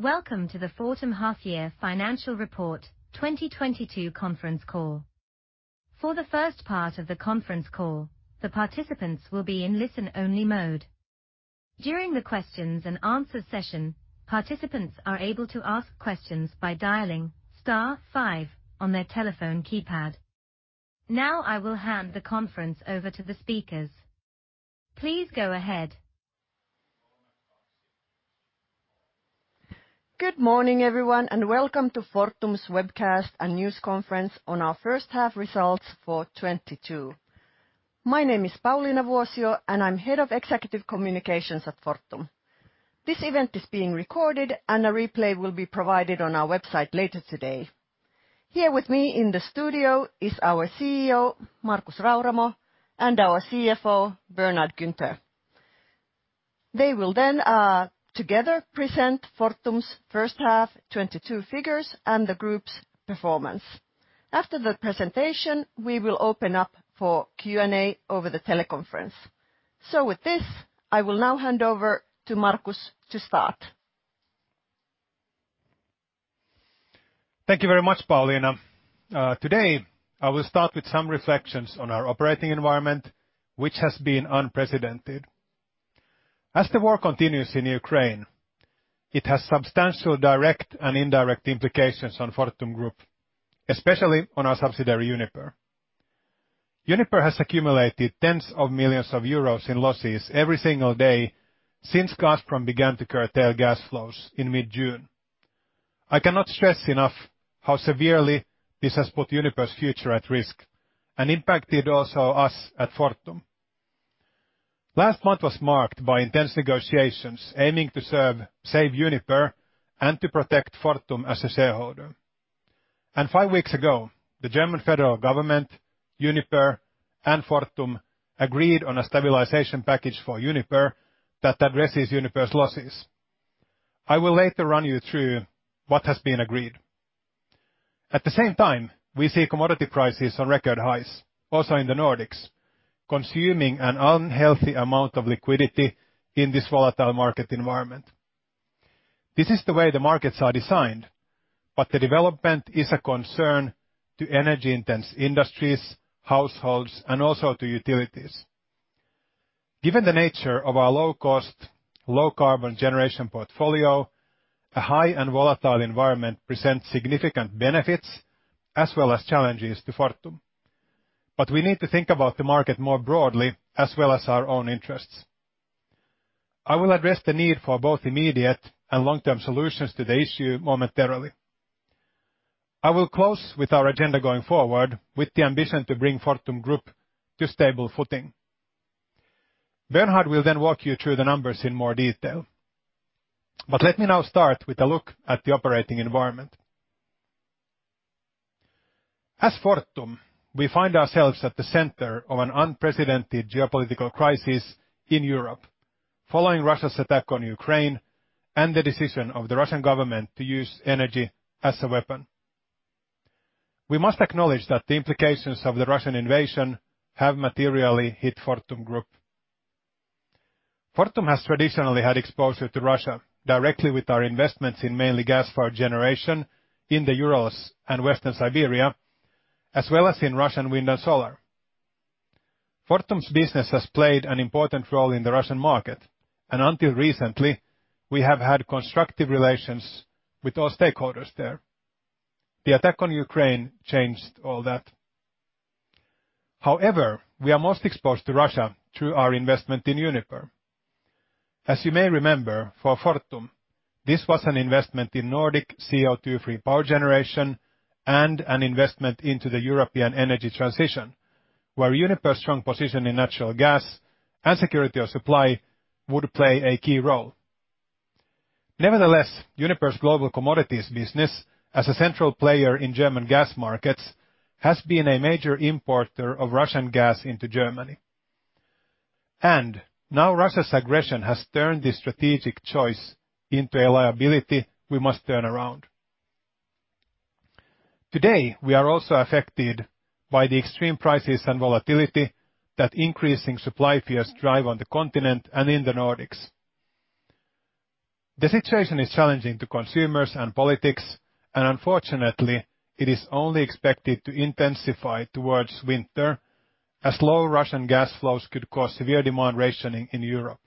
Welcome to the Fortum Half-Year Financial Report 2022 conference call. For the first part of the conference call, the participants will be in listen-only mode. During the questions and answers session, participants are able to ask questions by dialing star five on their telephone keypad. Now I will hand the conference over to the speakers. Please go ahead. Good morning, everyone, and welcome to Fortum's webcast and news conference on our first half results for 2022. My name is Pauliina Vuosio, and I'm head of executive communications at Fortum. This event is being recorded and a replay will be provided on our website later today. Here with me in the studio is our CEO, Markus Rauramo, and our CFO, Bernhard Günther. They will then together present Fortum's first half 2022 figures and the group's performance. After the presentation, we will open up for Q&A over the teleconference. With this, I will now hand over to Markus to start. Thank you very much, Pauliina. Today I will start with some reflections on our operating environment, which has been unprecedented. As the war continues in Ukraine, it has substantial direct and indirect implications on Fortum Group, especially on our subsidiary, Uniper. Uniper has accumulated tens of millions of EUR in losses every single day since Gazprom began to curtail gas flows in mid-June. I cannot stress enough how severely this has put Uniper's future at risk and impacted also us at Fortum. Last month was marked by intense negotiations aiming to save Uniper and to protect Fortum as a shareholder. Five weeks ago, the German federal government, Uniper, and Fortum agreed on a stabilization package for Uniper that addresses Uniper's losses. I will later run you through what has been agreed. At the same time, we see commodity prices on record highs also in the Nordics, consuming an unhealthy amount of liquidity in this volatile market environment. This is the way the markets are designed, but the development is a concern to energy-intense industries, households, and also to utilities. Given the nature of our low cost, low carbon generation portfolio, a high and volatile environment presents significant benefits as well as challenges to Fortum. We need to think about the market more broadly as well as our own interests. I will address the need for both immediate and long-term solutions to the issue momentarily. I will close with our agenda going forward with the ambition to bring Fortum Group to stable footing. Bernhard will then walk you through the numbers in more detail. Let me now start with a look at the operating environment. As Fortum, we find ourselves at the center of an unprecedented geopolitical crisis in Europe following Russia's attack on Ukraine and the decision of the Russian government to use energy as a weapon. We must acknowledge that the implications of the Russian invasion have materially hit Fortum Group. Fortum has traditionally had exposure to Russia directly with our investments in mainly gas-fired generation in the Urals and Western Siberia, as well as in Russian wind and solar. Fortum's business has played an important role in the Russian market, and until recently, we have had constructive relations with all stakeholders there. The attack on Ukraine changed all that. However, we are most exposed to Russia through our investment in Uniper. As you may remember, for Fortum, this was an investment in Nordic CO2 free power generation and an investment into the European energy transition, where Uniper's strong position in natural gas and security of supply would play a key role. Nevertheless, Uniper's global commodities business as a central player in German gas markets has been a major importer of Russian gas into Germany. Now Russia's aggression has turned this strategic choice into a liability we must turn around. Today, we are also affected by the extreme prices and volatility that increasing supply fears drive on the continent and in the Nordics. The situation is challenging to consumers and politics, and unfortunately, it is only expected to intensify towards winter as low Russian gas flows could cause severe demand rationing in Europe.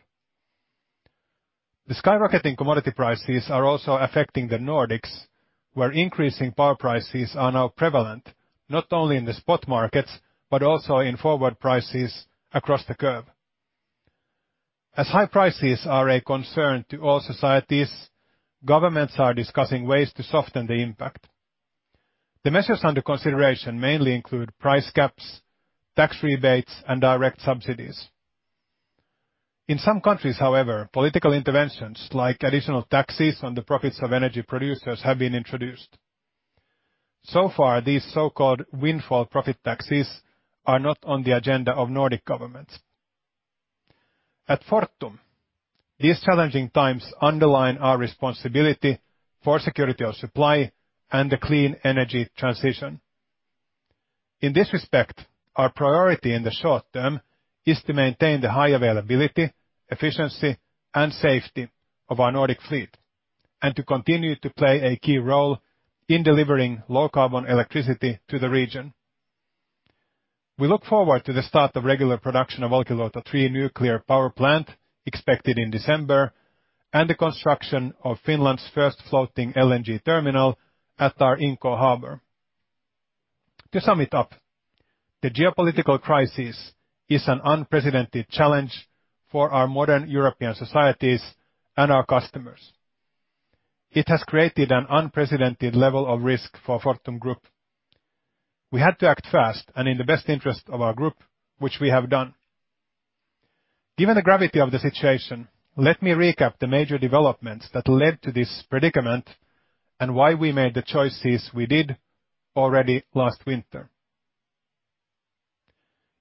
The skyrocketing commodity prices are also affecting the Nordics, where increasing power prices are now prevalent, not only in the spot markets, but also in forward prices across the curve. As high prices are a concern to all societies, governments are discussing ways to soften the impact. The measures under consideration mainly include price caps, tax rebates, and direct subsidies. In some countries, however, political interventions like additional taxes on the profits of energy producers have been introduced. So far, these so-called windfall profit taxes are not on the agenda of Nordic governments. At Fortum, these challenging times underline our responsibility for security of supply and the clean energy transition. In this respect, our priority in the short term is to maintain the high availability, efficiency, and safety of our Nordic fleet, and to continue to play a key role in delivering low carbon electricity to the region. We look forward to the start of regular production of Olkiluoto 3 nuclear power plant expected in December, and the construction of Finland's first floating LNG terminal at our Inkoo Harbor. To sum it up, the geopolitical crisis is an unprecedented challenge for our modern European societies and our customers. It has created an unprecedented level of risk for Fortum Group. We had to act fast and in the best interest of our group, which we have done. Given the gravity of the situation, let me recap the major developments that led to this predicament and why we made the choices we did already last winter.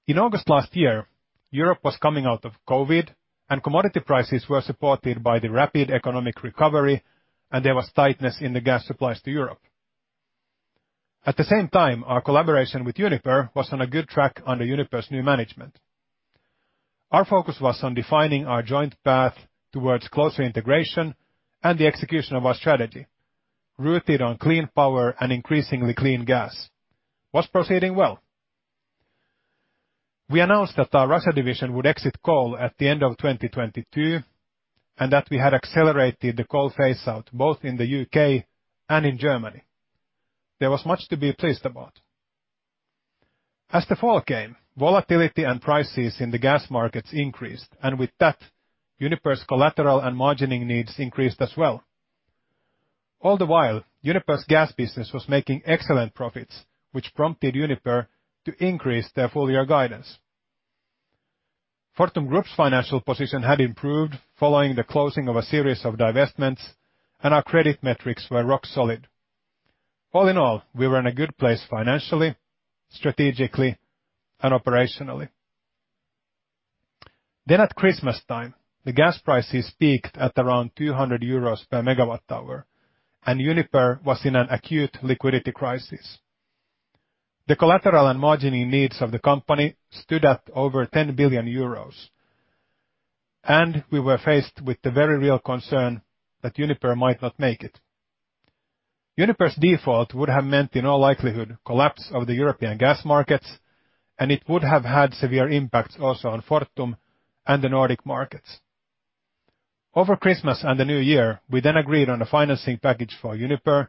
In August last year, Europe was coming out of COVID and commodity prices were supported by the rapid economic recovery, and there was tightness in the gas supplies to Europe. At the same time, our collaboration with Uniper was on a good track under Uniper's new management. Our focus was on defining our joint path towards closer integration and the execution of our strategy rooted on clean power and increasingly clean gas was proceeding well. We announced that our Russia division would exit coal at the end of 2022, and that we had accelerated the coal phase out both in the U.K. and in Germany. There was much to be pleased about. As the fall came, volatility and prices in the gas markets increased, and with that Uniper's collateral and margining needs increased as well. All the while, Uniper's gas business was making excellent profits, which prompted Uniper to increase their full year guidance. Fortum Group's financial position had improved following the closing of a series of divestments, and our credit metrics were rock solid. All in all, we were in a good place financially, strategically, and operationally. At Christmas time, the gas prices peaked at around 200 euros per MWh, and Uniper was in an acute liquidity crisis. The collateral and margining needs of the company stood at over 10 billion euros, and we were faced with the very real concern that Uniper might not make it. Uniper's default would have meant, in all likelihood, collapse of the European gas markets, and it would have had severe impacts also on Fortum and the Nordic markets. Over Christmas and the new year, we then agreed on a financing package for Uniper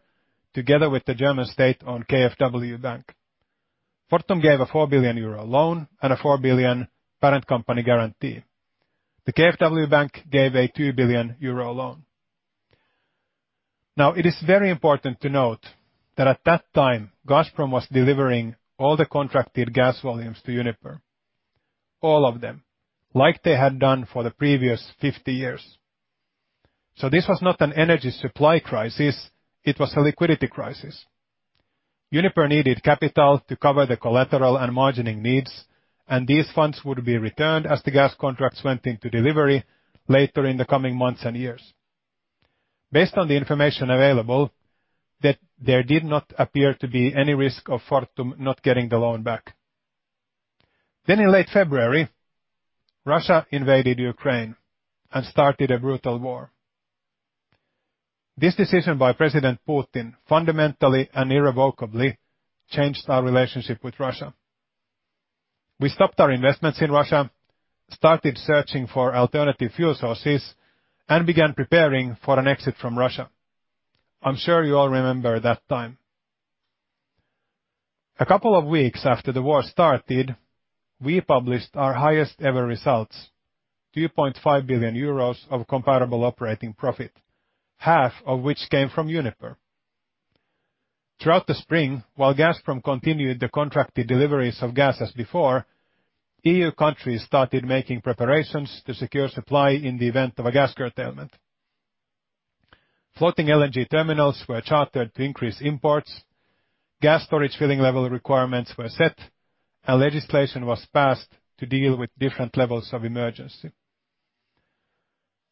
together with the German state on KfW Bank. Fortum gave a 4 billion euro loan and a 4 billion parent company guarantee. The KfW Bank gave a 2 billion euro loan. Now it is very important to note that at that time, Gazprom was delivering all the contracted gas volumes to Uniper, all of them like they had done for the previous 50 years. This was not an energy supply crisis, it was a liquidity crisis. Uniper needed capital to cover the collateral and margining needs, and these funds would be returned as the gas contracts went into delivery later in the coming months and years. Based on the information available, there did not appear to be any risk of Fortum not getting the loan back. In late February, Russia invaded Ukraine and started a brutal war. This decision by President Putin fundamentally and irrevocably changed our relationship with Russia. We stopped our investments in Russia, started searching for alternative fuel sources, and began preparing for an exit from Russia. I'm sure you all remember that time. A couple of weeks after the war started, we published our highest ever results, 2.5 billion euros of comparable operating profit, half of which came from Uniper. Throughout the spring, while Gazprom continued the contracted deliveries of gas as before, EU countries started making preparations to secure supply in the event of a gas curtailment. Floating LNG terminals were chartered to increase imports, gas storage filling level requirements were set, and legislation was passed to deal with different levels of emergency.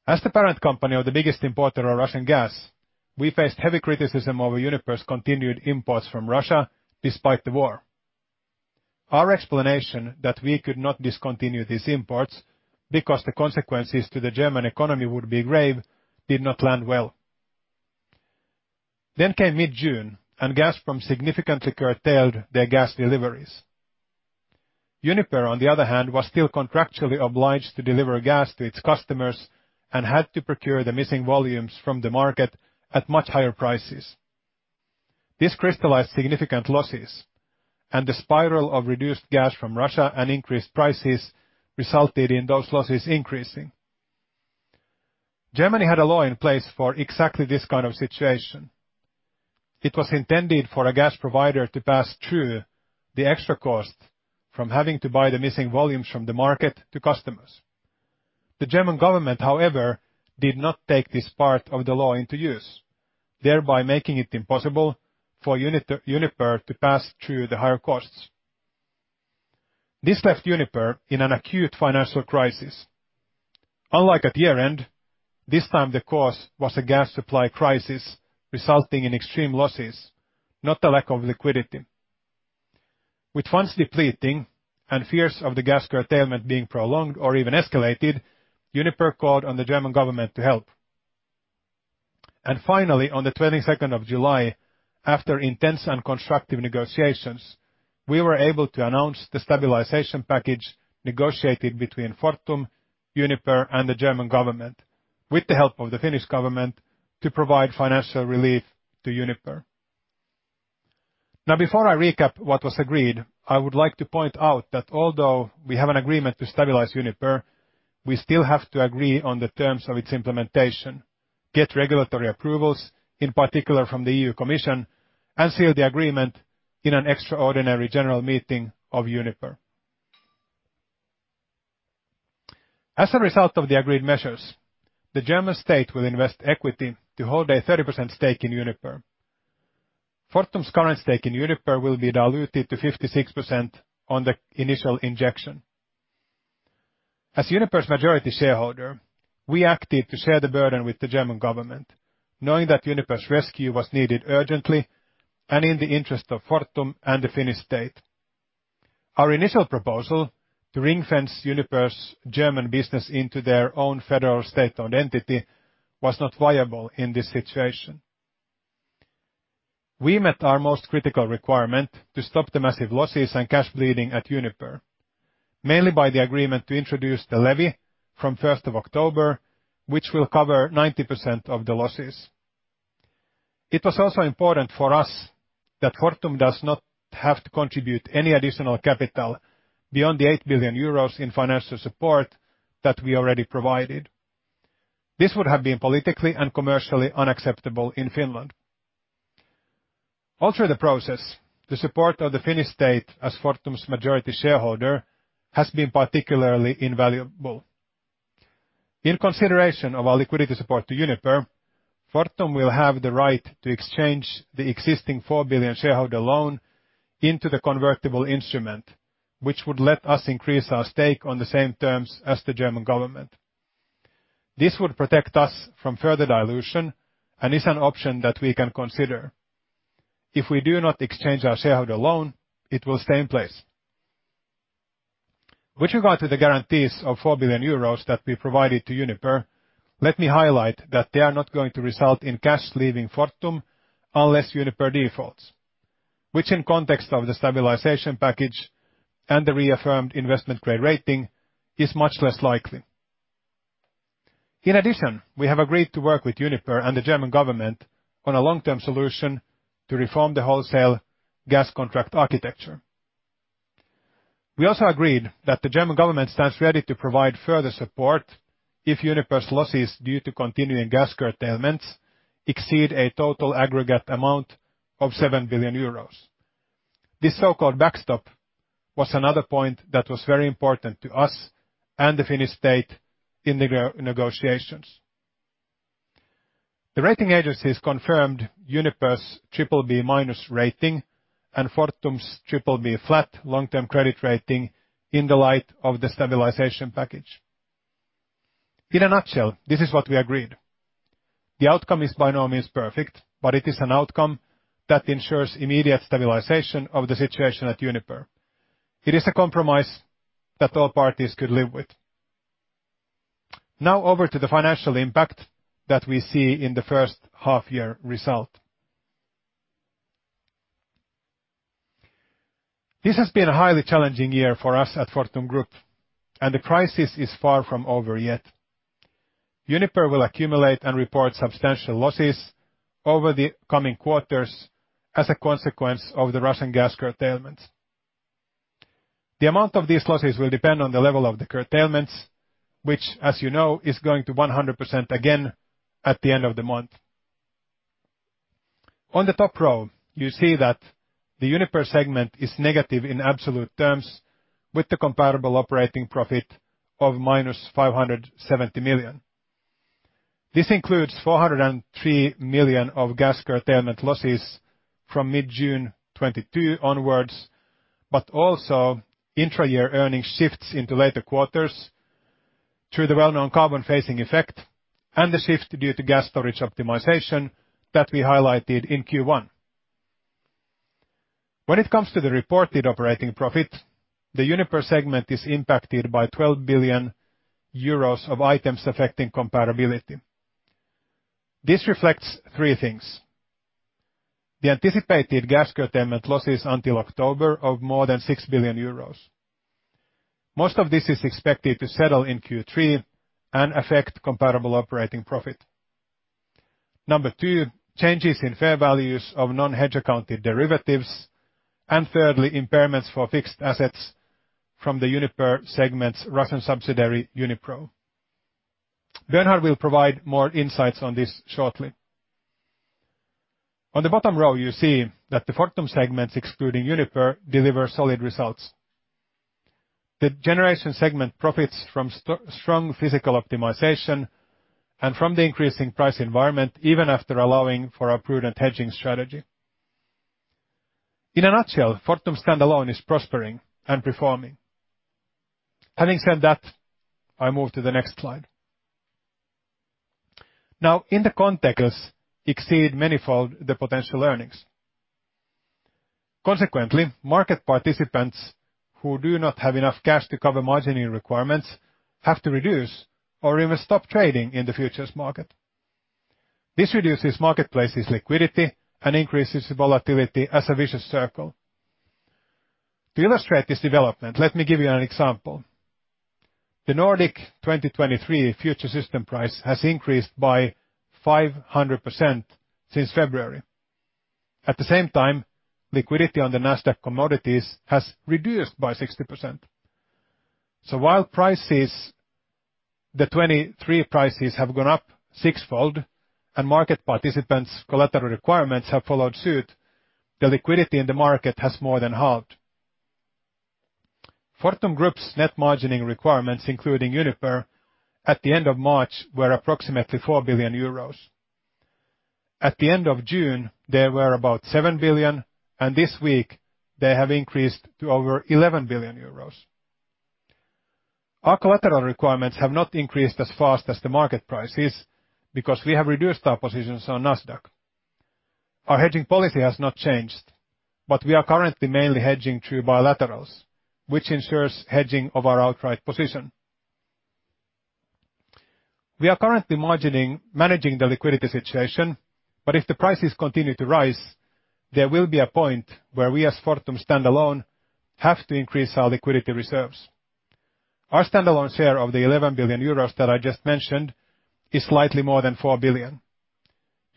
As the parent company of the biggest importer of Russian gas, we faced heavy criticism over Uniper's continued imports from Russia despite the war. Our explanation that we could not discontinue these imports because the consequences to the German economy would be grave did not land well. Came mid-June and Gazprom significantly curtailed their gas deliveries. Uniper, on the other hand, was still contractually obliged to deliver gas to its customers and had to procure the missing volumes from the market at much higher prices. This crystallized significant losses and the spiral of reduced gas from Russia and increased prices resulted in those losses increasing. Germany had a law in place for exactly this kind of situation. It was intended for a gas provider to pass through the extra cost from having to buy the missing volumes from the market to customers. The German government, however, did not take this part of the law into use, thereby making it impossible for Uniper to pass through the higher costs. This left Uniper in an acute financial crisis. Unlike at the year-end, this time the cause was a gas supply crisis resulting in extreme losses, not a lack of liquidity. With funds depleting and fears of the gas curtailment being prolonged or even escalated, Uniper called on the German government to help. Finally, on July 22nd, after intense and constructive negotiations, we were able to announce the stabilization package negotiated between Fortum, Uniper, and the German government, with the help of the Finnish government, to provide financial relief to Uniper. Now before I recap what was agreed, I would like to point out that although we have an agreement to stabilize Uniper, we still have to agree on the terms of its implementation, get regulatory approvals, in particular from the European Commission, and seal the agreement in an extraordinary general meeting of Uniper. As a result of the agreed measures, the German state will invest equity to hold a 30% stake in Uniper. Fortum's current stake in Uniper will be diluted to 56% on the initial injection. As Uniper's majority shareholder, we acted to share the burden with the German government, knowing that Uniper's rescue was needed urgently and in the interest of Fortum and the Finnish state. Our initial proposal to ring-fence Uniper's German business into their own federal state-owned entity was not viable in this situation. We met our most critical requirement to stop the massive losses and cash bleeding at Uniper, mainly by the agreement to introduce the levy from first of October, which will cover 90% of the losses. It was also important for us that Fortum does not have to contribute any additional capital beyond the 8 billion euros in financial support that we already provided. This would have been politically and commercially unacceptable in Finland. All through the process, the support of the Finnish state as Fortum's majority shareholder has been particularly invaluable. In consideration of our liquidity support to Uniper, Fortum will have the right to exchange the existing 4 billion shareholder loan into the convertible instrument, which would let us increase our stake on the same terms as the German government. This would protect us from further dilution and is an option that we can consider. If we do not exchange our shareholder loan, it will stay in place. With regard to the guarantees of 4 billion euros that we provided to Uniper, let me highlight that they are not going to result in cash leaving Fortum unless Uniper defaults, which in context of the stabilization package and the reaffirmed investment-grade rating is much less likely. In addition, we have agreed to work with Uniper and the German government on a long-term solution to reform the wholesale gas contract architecture. We also agreed that the German government stands ready to provide further support if Uniper's losses due to continuing gas curtailments exceed a total aggregate amount of 7 billion euros. This so-called backstop was another point that was very important to us and the Finnish state in the negotiations. The rating agencies confirmed Uniper's BBB-minus rating and Fortum's BBB flat long-term credit rating in the light of the stabilization package. In a nutshell, this is what we agreed. The outcome is by no means perfect, but it is an outcome that ensures immediate stabilization of the situation at Uniper. It is a compromise that all parties could live with. Now over to the financial impact that we see in the first half-year result. This has been a highly challenging year for us at Fortum Group, and the crisis is far from over yet. Uniper will accumulate and report substantial losses over the coming quarters as a consequence of the Russian gas curtailments. The amount of these losses will depend on the level of the curtailments, which as you know, is going to 100% again at the end of the month. On the top row, you see that the Uniper segment is negative in absolute terms with the comparable operating profit of -570 million. This includes 403 million of gas curtailment losses from mid-June 2022 onwards, but also intra-year earning shifts into later quarters through the well-known carbon phasing effect and the shift due to gas storage optimization that we highlighted in Q1. When it comes to the reported operating profit, the Uniper segment is impacted by 12 billion euros of items affecting comparability. This reflects three things. The anticipated gas curtailment losses until October of more than 6 billion euros. Most of this is expected to settle in Q3 and affect comparable operating profit. Number two, changes in fair values of non-hedge accounted derivatives. And thirdly, impairments for fixed assets from the Uniper segment's Russian subsidiary, Unipro. Bernhard will provide more insights on this shortly. On the bottom row, you see that the Fortum segments, excluding Uniper, deliver solid results. The generation segment profits from strong physical optimization and from the increasing price environment, even after allowing for our prudent hedging strategy. In a nutshell, Fortum standalone is prospering and performing. Having said that, I move to the next slide. Now, in the context exceed manyfold the potential earnings. Consequently, market participants who do not have enough cash to cover margining requirements have to reduce or even stop trading in the futures market. This reduces marketplace's liquidity and increases the volatility as a vicious circle. To illustrate this development, let me give you an example. The Nordic 2023 futures system price has increased by 500% since February. At the same time, liquidity on the Nasdaq Commodities has reduced by 60%. While prices, the 2023 prices have gone up six-fold and market participants' collateral requirements have followed suit, the liquidity in the market has more than halved. Fortum Group's net margining requirements, including Uniper, at the end of March were approximately 4 billion euros. At the end of June, they were about 7 billion, and this week they have increased to over 11 billion euros. Our collateral requirements have not increased as fast as the market price is because we have reduced our positions on Nasdaq. Our hedging policy has not changed, but we are currently mainly hedging through bilaterals, which ensures hedging of our outright position. We are currently managing the liquidity situation, but if the prices continue to rise, there will be a point where we as Fortum standalone have to increase our liquidity reserves. Our standalone share of the 11 billion euros that I just mentioned is slightly more than 4 billion.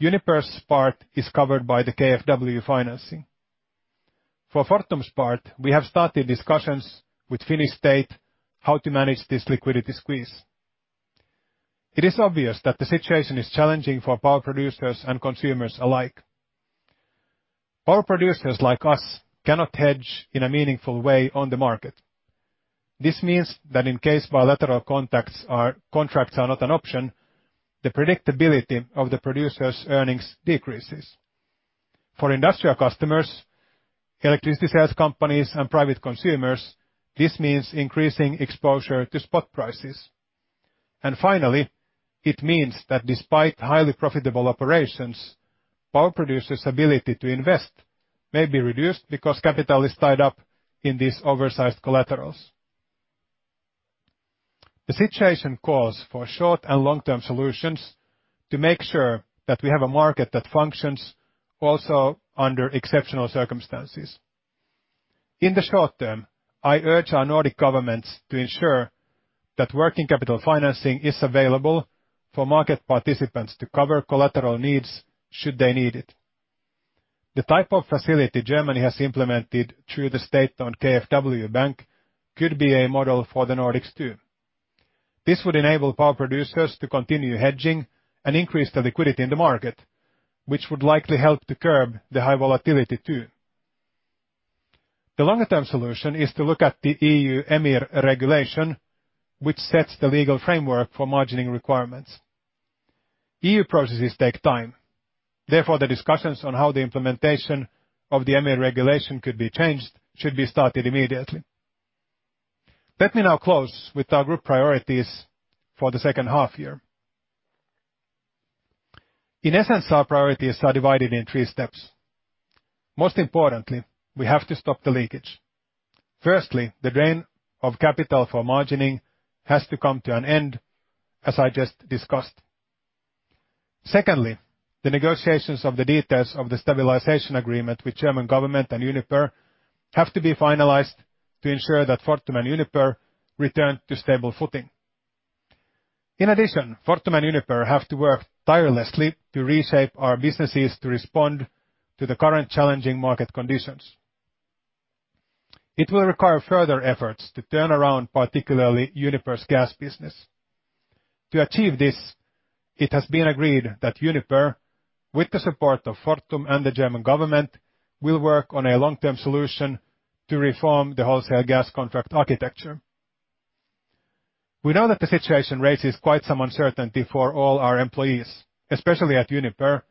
Uniper's part is covered by the KfW financing. For Fortum's part, we have started discussions with Finnish state how to manage this liquidity squeeze. It is obvious that the situation is challenging for power producers and consumers alike. Power producers like us cannot hedge in a meaningful way on the market. This means that in case bilateral contracts are not an option, the predictability of the producer's earnings decreases. For industrial customers, electricity sales companies, and private consumers, this means increasing exposure to spot prices. Finally, it means that despite highly profitable operations, power producers' ability to invest may be reduced because capital is tied up in these oversized collaterals. The situation calls for short and long-term solutions to make sure that we have a market that functions also under exceptional circumstances. In the short-term, I urge our Nordic governments to ensure that working capital financing is available for market participants to cover collateral needs should they need it. The type of facility Germany has implemented through the state-owned KfW bank could be a model for the Nordics too. This would enable power producers to continue hedging and increase the liquidity in the market, which would likely help to curb the high volatility too. The longer term solution is to look at the EU EMIR regulation, which sets the legal framework for margining requirements. EU processes take time. Therefore, the discussions on how the implementation of the EMIR regulation could be changed should be started immediately. Let me now close with our group priorities for the second half year. In essence, our priorities are divided in three steps. Most importantly, we have to stop the leakage. Firstly, the drain of capital for margining has to come to an end, as I just discussed. Secondly, the negotiations of the details of the stabilization agreement with German government and Uniper have to be finalized to ensure that Fortum and Uniper return to stable footing. In addition, Fortum and Uniper have to work tirelessly to reshape our businesses to respond to the current challenging market conditions. It will require further efforts to turn around, particularly Uniper's gas business. To achieve this, it has been agreed that Uniper, with the support of Fortum and the German government, will work on a long-term solution to reform the wholesale gas contract architecture. We know that the situation raises quite some uncertainty for all our employees, especially at Uniper,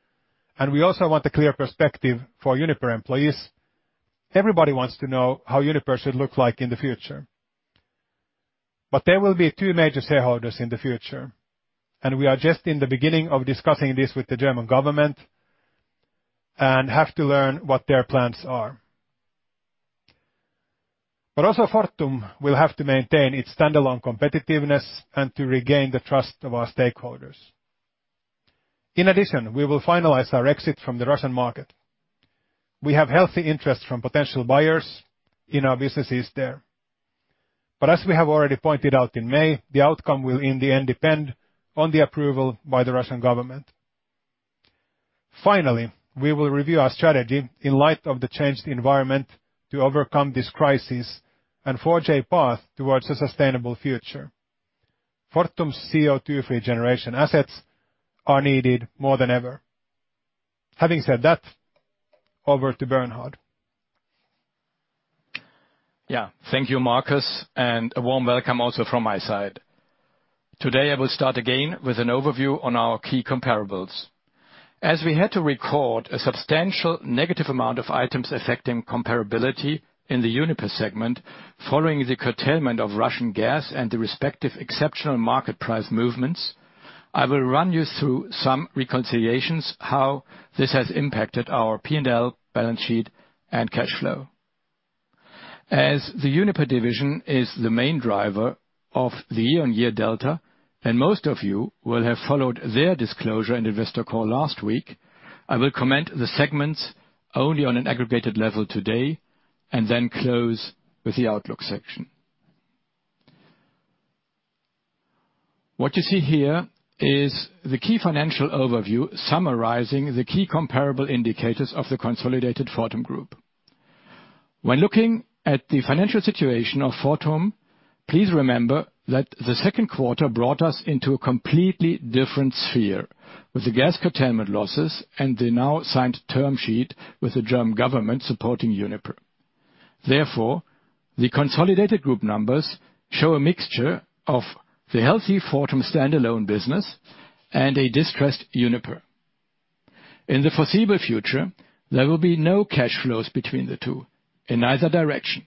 and we also want a clear perspective for Uniper employees. Everybody wants to know how Uniper should look like in the future. There will be two major shareholders in the future, and we are just in the beginning of discussing this with the German government and have to learn what their plans are. Also, Fortum will have to maintain its standalone competitiveness and to regain the trust of our stakeholders. In addition, we will finalize our exit from the Russian market. We have healthy interest from potential buyers in our businesses there. But as we have already pointed out in May, the outcome will in the end depend on the approval by the Russian government. Finally, we will review our strategy in light of the changed environment to overcome this crisis and forge a path towards a sustainable future. Fortum's CO2-free generation assets are needed more than ever. Having said that, over to Bernhard. Yeah. Thank you, Markus, and a warm welcome also from my side. Today I will start again with an overview on our key comparables. As we had to record a substantial negative amount of items affecting comparability in the Uniper segment following the curtailment of Russian gas and the respective exceptional market price movements, I will run you through some reconciliations, how this has impacted our P&L balance sheet and cash flow. As the Uniper division is the main driver of the year-on-year delta, and most of you will have followed their disclosure and investor call last week, I will comment the segments only on an aggregated level today and then close with the outlook section. What you see here is the key financial overview summarizing the key comparable indicators of the consolidated Fortum Group. When looking at the financial situation of Fortum, please remember that the second quarter brought us into a completely different sphere with the gas curtailment losses and the now signed term sheet with the German government supporting Uniper. Therefore, the consolidated group numbers show a mixture of the healthy Fortum standalone business and a distressed Uniper. In the foreseeable future, there will be no cash flows between the two, in either direction.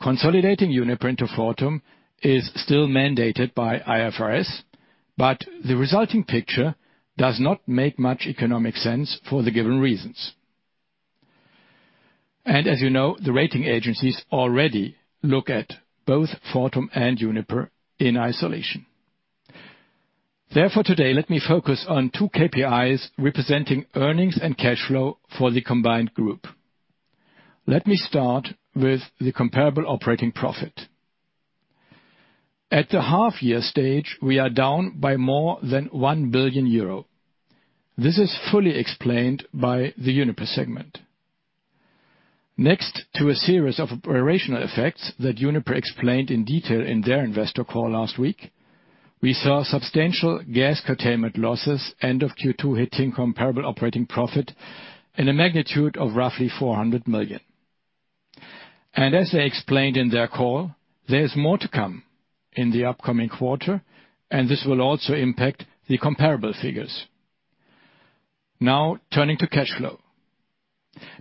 Consolidating Uniper into Fortum is still mandated by IFRS, but the resulting picture does not make much economic sense for the given reasons. As you know, the rating agencies already look at both Fortum and Uniper in isolation. Therefore, today let me focus on two KPIs representing earnings and cash flow for the combined group. Let me start with the Comparable operating profit. At the half year stage, we are down by more than 1 billion euro. This is fully explained by the Uniper segment. Next to a series of operational effects that Uniper explained in detail in their investor call last week, we saw substantial gas curtailment losses end of Q2 hitting comparable operating profit in a magnitude of roughly 400 million. As they explained in their call, there's more to come in the upcoming quarter, and this will also impact the comparable figures. Now turning to cash flow.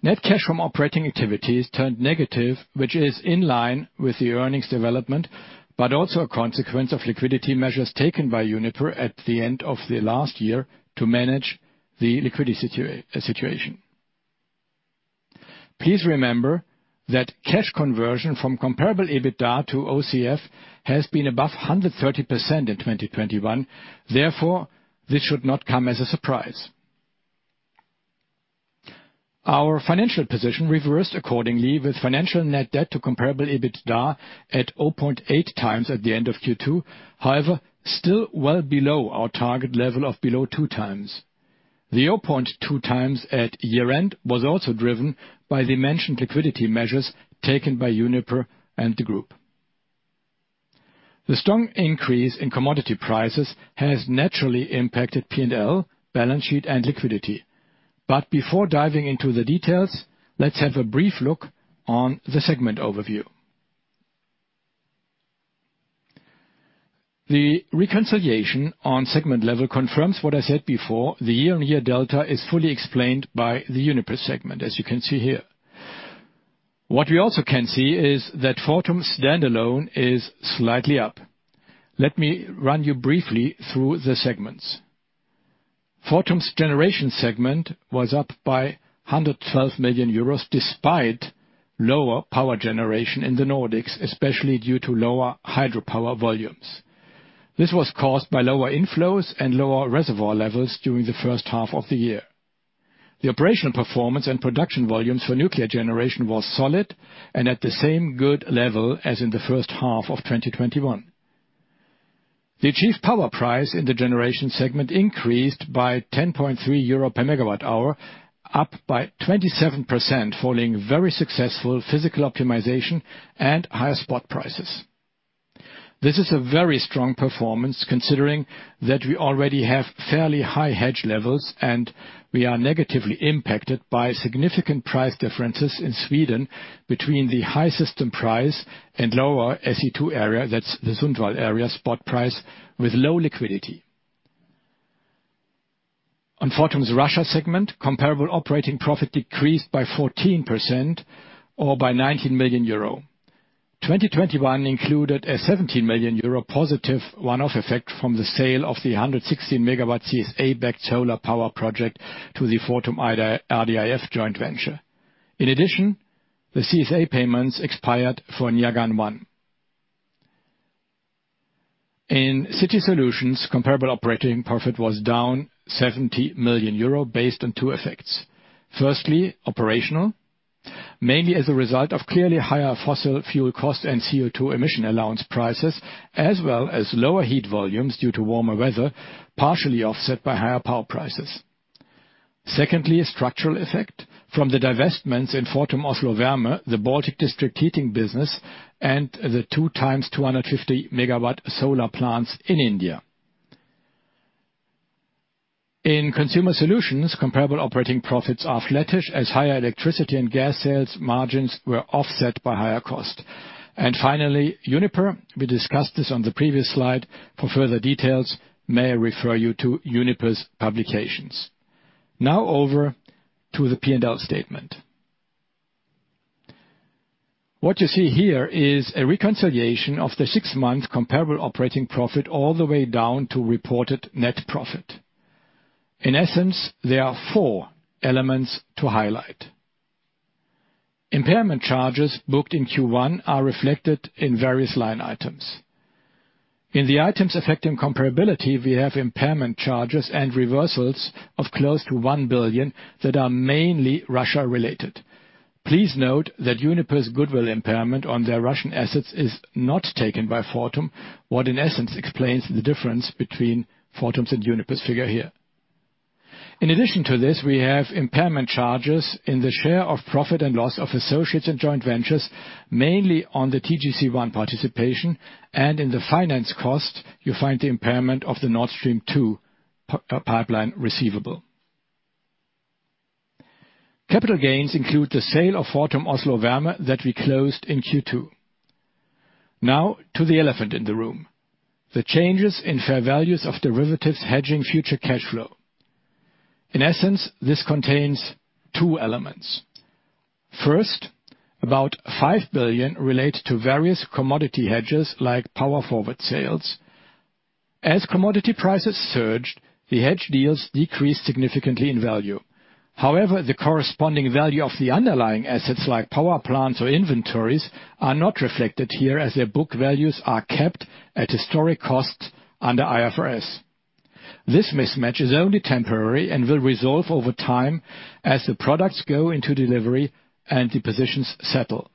Net cash from operating activities turned negative, which is in line with the earnings development, but also a consequence of liquidity measures taken by Uniper at the end of the last year to manage the liquidity situation. Please remember that cash conversion from comparable EBITDA to OCF has been above 130% in 2021. Therefore, this should not come as a surprise. Our financial position reversed accordingly with financial net debt to Comparable EBITDA at 0.8x at the end of Q2, however, still well below our target level of below 2x. The 0.2x at year-end was also driven by the mentioned liquidity measures taken by Uniper and the group. The strong increase in commodity prices has naturally impacted P&L, balance sheet and liquidity. Before diving into the details, let's have a brief look on the segment overview. The reconciliation on segment level confirms what I said before, the year-on-year delta is fully explained by the Uniper segment, as you can see here. What we also can see is that Fortum standalone is slightly up. Let me run you briefly through the segments. Fortum's generation segment was up by 112 million euros, despite lower power generation in the Nordics, especially due to lower hydropower volumes. This was caused by lower inflows and lower reservoir levels during the first half of the year. The operational performance and production volumes for nuclear generation was solid and at the same good level as in the first half of 2021. The achieved power price in the generation segment increased by 10.3 euro per MWh, up by 27%, following very successful physical optimization and higher spot prices. This is a very strong performance, considering that we already have fairly high hedge levels and we are negatively impacted by significant price differences in Sweden between the high system price and lower SE2 area, that's the Sundsvall area, spot price with low liquidity. On Fortum's Russia segment, comparable operating profit decreased by 14% or by 19 million euro. 2021 included a 17 million euro positive one-off effect from the sale of the 116-MW CSA-backed solar power project to the Fortum RDIF joint venture. In addition, the CSA payments expired for Nyagan 1. In City Solutions, comparable operating profit was down 70 million euro based on two effects. Firstly, operational, mainly as a result of clearly higher fossil fuel costs and CO2 emission allowance prices, as well as lower heat volumes due to warmer weather, partially offset by higher power prices. Secondly, a structural effect from the divestments in Fortum Oslo Varme, the Baltic district heating business and the two 250-MW solar plants in India. In Consumer Solutions, comparable operating profits are flattish, as higher electricity and gas sales margins were offset by higher cost. Finally, Uniper, we discussed this on the previous slide. For further details, may I refer you to Uniper's publications. Now over to the P&L statement. What you see here is a reconciliation of the six-month comparable operating profit all the way down to reported net profit. In essence, there are four elements to highlight. Impairment charges booked in Q1 are reflected in various line items. In the items affecting comparability, we have impairment charges and reversals of close to 1 billion that are mainly Russia-related. Please note that Uniper's goodwill impairment on their Russian assets is not taken by Fortum, which in essence explains the difference between Fortum's and Uniper's figure here. In addition to this, we have impairment charges in the share of profit and loss of associates and joint ventures, mainly on the TGC-1 participation. In the finance cost, you find the impairment of the Nord Stream 2 pipeline receivable. Capital gains include the sale of Fortum Oslo Varme that we closed in Q2. Now to the elephant in the room, the changes in fair values of derivatives hedging future cash flow. In essence, this contains two elements. First, about 5 billion relate to various commodity hedges, like power forward sales. As commodity prices surged, the hedge deals decreased significantly in value. However, the corresponding value of the underlying assets, like power plants or inventories, are not reflected here, as their book values are kept at historic costs under IFRS. This mismatch is only temporary and will resolve over time as the products go into delivery and the positions settle.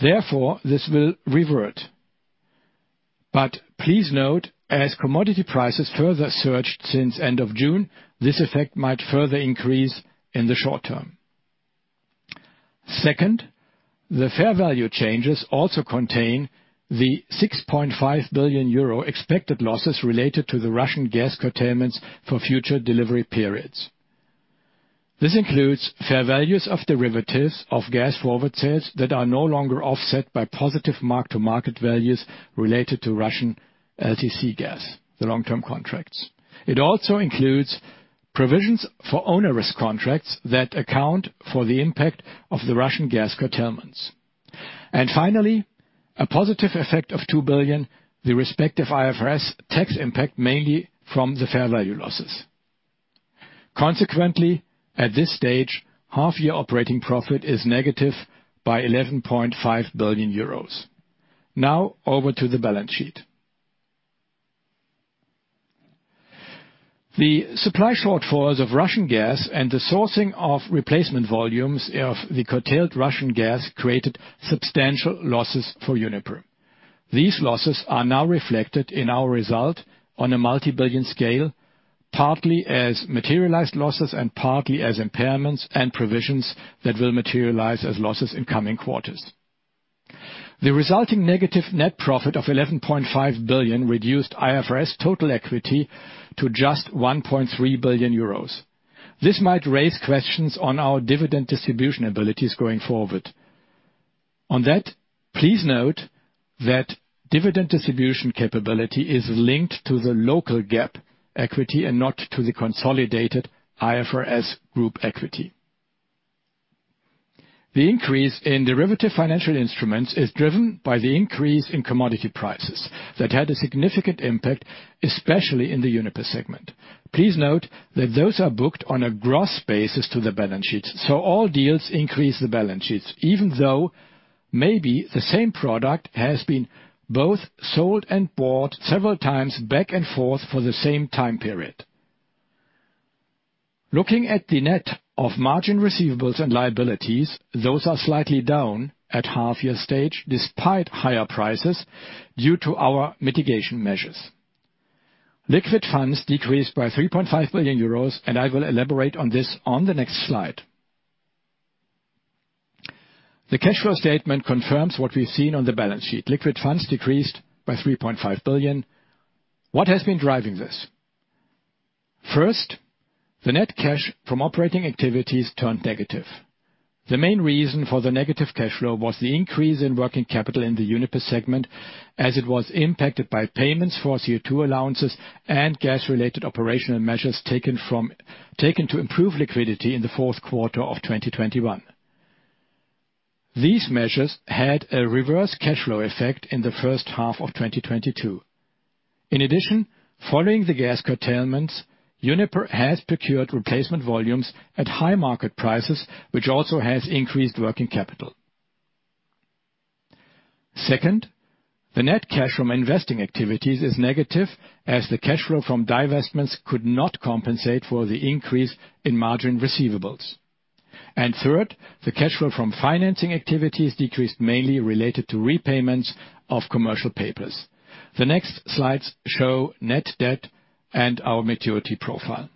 Therefore, this will revert. Please note, as commodity prices further surged since end of June, this effect might further increase in the short term. Second, the fair value changes also contain the 6.5 billion euro expected losses related to the Russian gas curtailments for future delivery periods. This includes fair values of derivatives of gas forward sales that are no longer offset by positive mark-to-market values related to Russian LTC gas, the long-term contracts. It also includes provisions for owner risk contracts that account for the impact of the Russian gas curtailments. Finally, a positive effect of 2 billion, the respective IFRS tax impact mainly from the fair value losses. Consequently, at this stage, half-year operating profit is negative by 11.5 billion euros. Now over to the balance sheet. The supply shortfalls of Russian gas and the sourcing of replacement volumes of the curtailed Russian gas created substantial losses for Uniper. These losses are now reflected in our result on a multi-billion scale, partly as materialized losses and partly as impairments and provisions that will materialize as losses in coming quarters. The resulting negative net profit of 11.5 billion reduced IFRS total equity to just 1.3 billion euros. This might raise questions on our dividend distribution abilities going forward. On that, please note that dividend distribution capability is linked to the local GAAP equity and not to the consolidated IFRS group equity. The increase in derivative financial instruments is driven by the increase in commodity prices that had a significant impact, especially in the Uniper segment. Please note that those are booked on a gross basis to the balance sheets, so all deals increase the balance sheets, even though maybe the same product has been both sold and bought several times back and forth for the same time period. Looking at the net of margin receivables and liabilities, those are slightly down at half-year stage despite higher prices due to our mitigation measures. Liquid funds decreased by 3.5 billion euros, and I will elaborate on this on the next slide. The cash flow statement confirms what we've seen on the balance sheet. Liquid funds decreased by 3.5 billion. What has been driving this? First, the net cash from operating activities turned negative. The main reason for the negative cash flow was the increase in working capital in the Uniper segment, as it was impacted by payments for CO2 allowances and gas-related operational measures taken to improve liquidity in the fourth quarter of 2021. These measures had a reverse cash flow effect in the first half of 2022. In addition, following the gas curtailments, Uniper has procured replacement volumes at high market prices, which also has increased working capital. Second, the net cash from investing activities is negative, as the cash flow from divestments could not compensate for the increase in margin receivables. Third, the cash flow from financing activities decreased mainly related to repayments of commercial papers. The next slides show net debt and our maturity profile.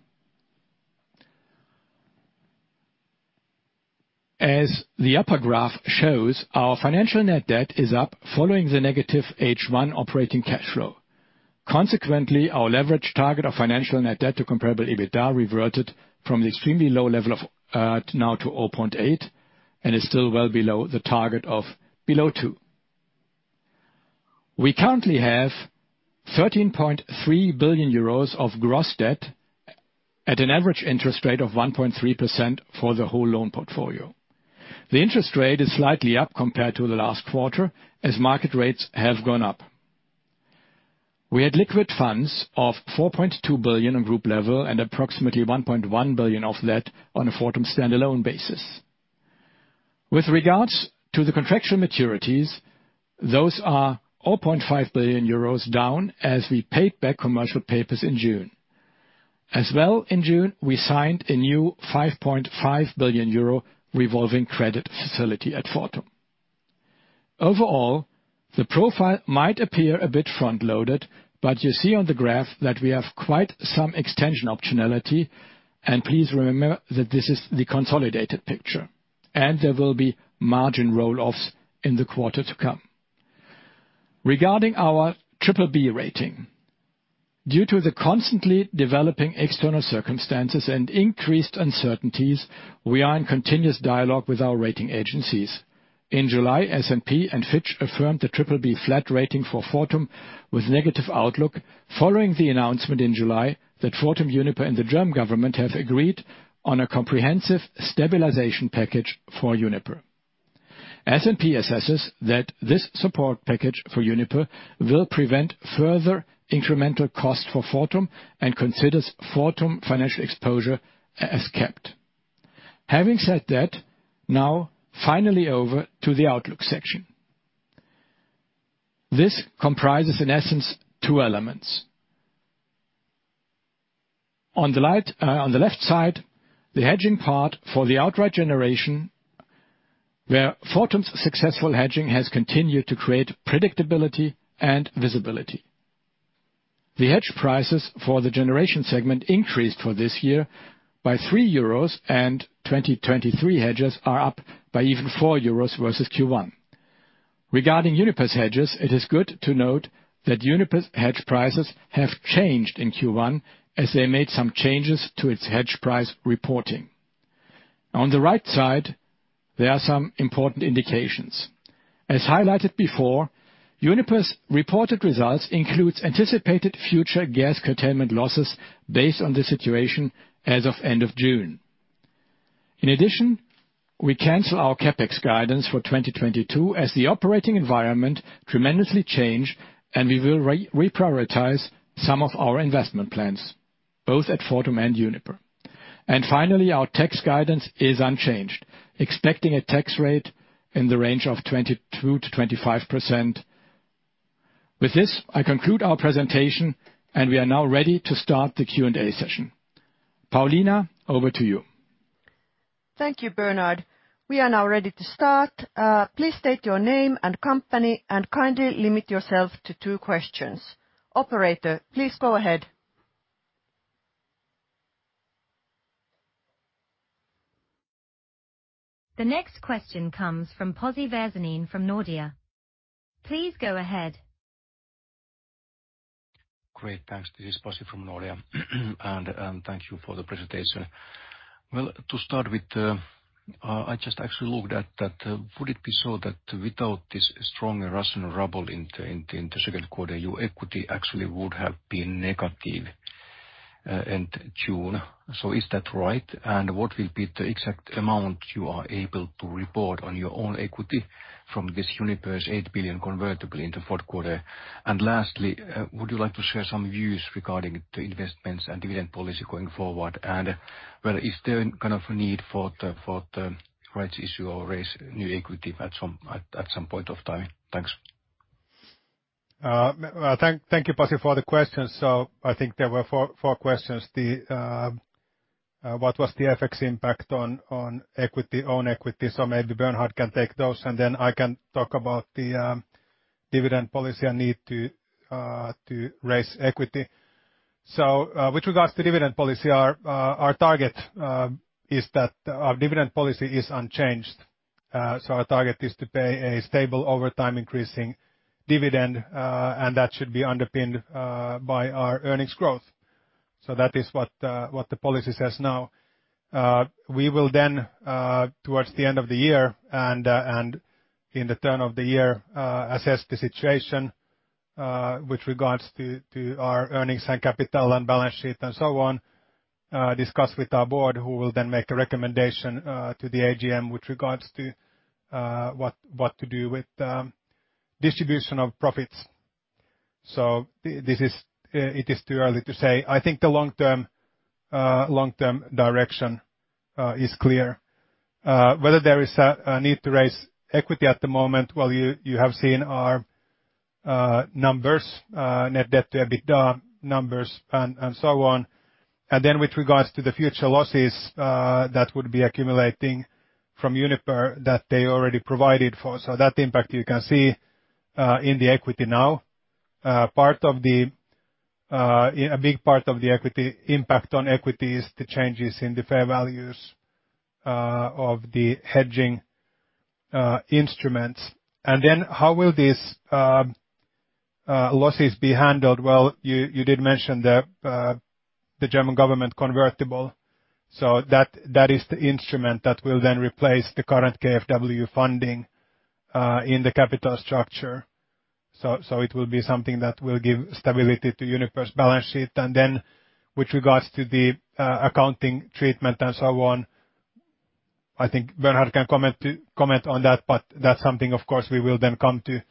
As the upper graph shows, our financial net debt is up following the negative H1 operating cash flow. Consequently, our leverage target of financial net debt to Comparable EBITDA reverted from the extremely low level of now to 0.8 and is still well below the target of below 2. We currently have 13.3 billion euros of gross debt at an average interest rate of 1.3% for the whole loan portfolio. The interest rate is slightly up compared to the last quarter as market rates have gone up. We had liquid funds of 4.2 billion in group level and approximately 1.1 billion of that on a Fortum standalone basis. With regards to the contractual maturities, those are 0.5 billion euros down as we paid back commercial papers in June. As well in June, we signed a new 5.5 billion euro revolving credit facility at Fortum. Overall, the profile might appear a bit front-loaded, but you see on the graph that we have quite some extension optionality. Please remember that this is the consolidated picture, and there will be margin roll-offs in the quarter to come. Regarding our BBB rating. Due to the constantly developing external circumstances and increased uncertainties, we are in continuous dialogue with our rating agencies. In July, S&P and Fitch affirmed the BBB flat rating for Fortum with negative outlook following the announcement in July that Fortum, Uniper, and the German government have agreed on a comprehensive stabilization package for Uniper. S&P assesses that this support package for Uniper will prevent further incremental costs for Fortum and considers Fortum's financial exposure as kept. Having said that, now finally over to the outlook section. This comprises, in essence, two elements. On the left side, the hedging part for the outright generation, where Fortum's successful hedging has continued to create predictability and visibility. The hedge prices for the generation segment increased for this year by 3 euros, and 2023 hedges are up by even 4 euros versus Q1. Regarding Uniper's hedges, it is good to note that Uniper's hedge prices have changed in Q1 as they made some changes to its hedge price reporting. On the right side, there are some important indications. As highlighted before, Uniper's reported results includes anticipated future gas curtailment losses based on the situation as of end of June. In addition, we cancel our CapEx guidance for 2022 as the operating environment tremendously change, and we will reprioritize some of our investment plans, both at Fortum and Uniper. Finally, our tax guidance is unchanged, expecting a tax rate in the range of 22%-25%. With this, I conclude our presentation and we are now ready to start the Q&A session. Pauliina, over to you. Thank you, Bernhard. We are now ready to start. Please state your name and company and kindly limit yourself to two questions. Operator, please go ahead. The next question comes from Pasi Väisänen from Nordea. Please go ahead. Great. Thanks. This is Pasi from Nordea. Thank you for the presentation. Well, to start with, I just actually looked at that. Would it be so that without this strong Russian ruble in the second quarter, your equity actually would have been negative in June? Is that right? What will be the exact amount you are able to report on your own equity from this Uniper's 8 billion convertible into fourth quarter? Lastly, would you like to share some views regarding the investments and dividend policy going forward? Well, is there kind of a need for the rights issue or raise new equity at some point of time? Thanks. Thank you, Pasi, for the question. I think there were four questions. What was the FX impact on equity, own equity? Maybe Bernhard can take those, and then I can talk about the dividend policy and need to raise equity. With regards to dividend policy, our target is that our dividend policy is unchanged. Our target is to pay a stable over time increasing dividend, and that should be underpinned by our earnings growth. That is what the policy says now. We will then towards the end of the year and in the turn of the year assess the situation with regards to our earnings and capital and balance sheet and so on. Discuss with our board, who will then make a recommendation to the AGM with regards to what to do with distribution of profits. This is, it is too early to say. I think the long-term direction is clear. Whether there is a need to raise equity at the moment, well, you have seen our numbers, net debt to EBITDA numbers and so on. Then with regards to the future losses that would be accumulating from Uniper that they already provided for. That impact you can see in the equity now. A big part of the equity impact on equity is the changes in the fair values of the hedging instruments. Then how will these losses be handled? Well, you did mention the German government convertible. That is the instrument that will then replace the current KfW funding in the capital structure. It will be something that will give stability to Uniper's balance sheet. With regards to the accounting treatment and so on, I think Bernhard can comment on that, but that's something of course we will then come to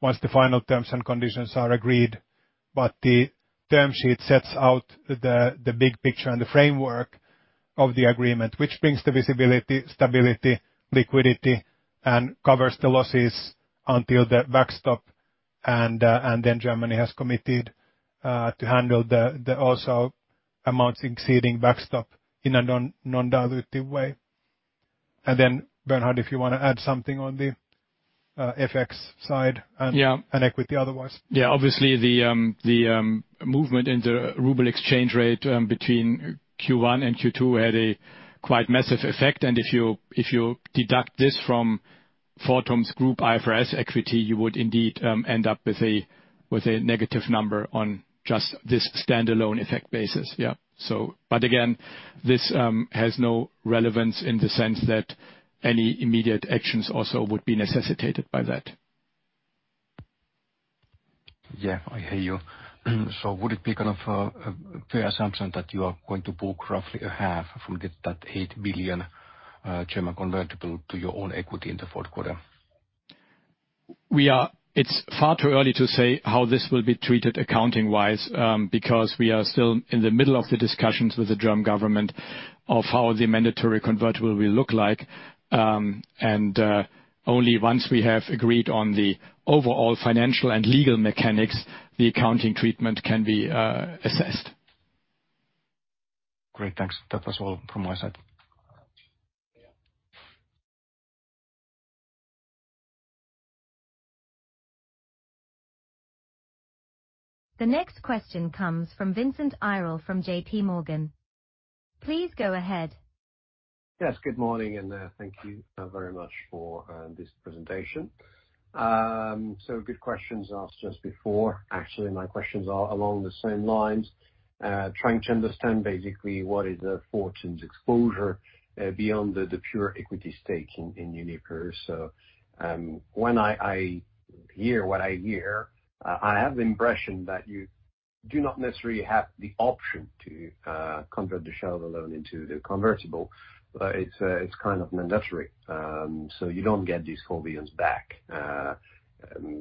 once the final terms and conditions are agreed. The term sheet sets out the big picture and the framework of the agreement, which brings the visibility, stability, liquidity, and covers the losses until the backstop, and then Germany has committed to handle the also amounts exceeding backstop in a non-dilutive way. Bernhard, if you wanna add something on the FX side and Yeah. Equity otherwise. Yeah. Obviously, the movement in the ruble exchange rate between Q1 and Q2 had a quite massive effect. If you deduct this from Fortum's group IFRS equity, you would indeed end up with a negative number on just this standalone effect basis. Yeah. But again, this has no relevance in the sense that any immediate actions also would be necessitated by that. Yeah, I hear you. Would it be kind of a fair assumption that you are going to book roughly a half from that 8 billion German convertible to your own equity in the fourth quarter? It's far too early to say how this will be treated accounting-wise, because we are still in the middle of the discussions with the German government of how the mandatory convertible will look like. Only once we have agreed on the overall financial and legal mechanics, the accounting treatment can be assessed. Great. Thanks. That was all from my side. The next question comes from Vincent Ayral from JPMorgan. Please go ahead. Yes, good morning, and thank you very much for this presentation. Good questions asked just before. Actually, my questions are along the same lines. Trying to understand basically, what is the Fortum's exposure, beyond the pure equity stake in Uniper. When I hear what I hear, I have the impression that you do not necessarily have the option to convert the share of the loan into the convertible. It's kind of mandatory. You don't get this 4 billion back.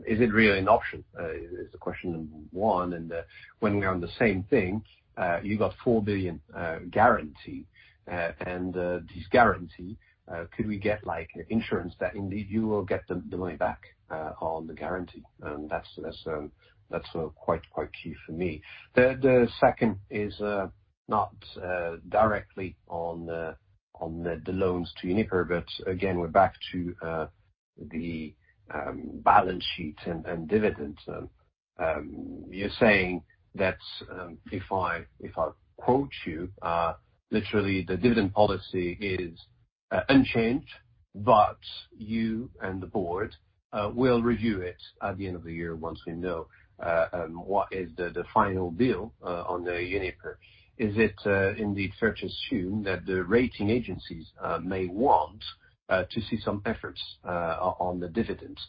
Is it really an option? Is the question one. When we're on the same thing, you got 4 billion guarantee. This guarantee, could we get like insurance that indeed you will get the money back on the guarantee? That's quite key for me. The second is not directly on the loans to Uniper, but again, we're back to the balance sheet and dividends. You're saying that, if I quote you literally, the dividend policy is unchanged, but you and the board will review it at the end of the year once we know what is the final deal on the Uniper. Is it indeed fair to assume that the rating agencies may want to see some efforts on the dividends,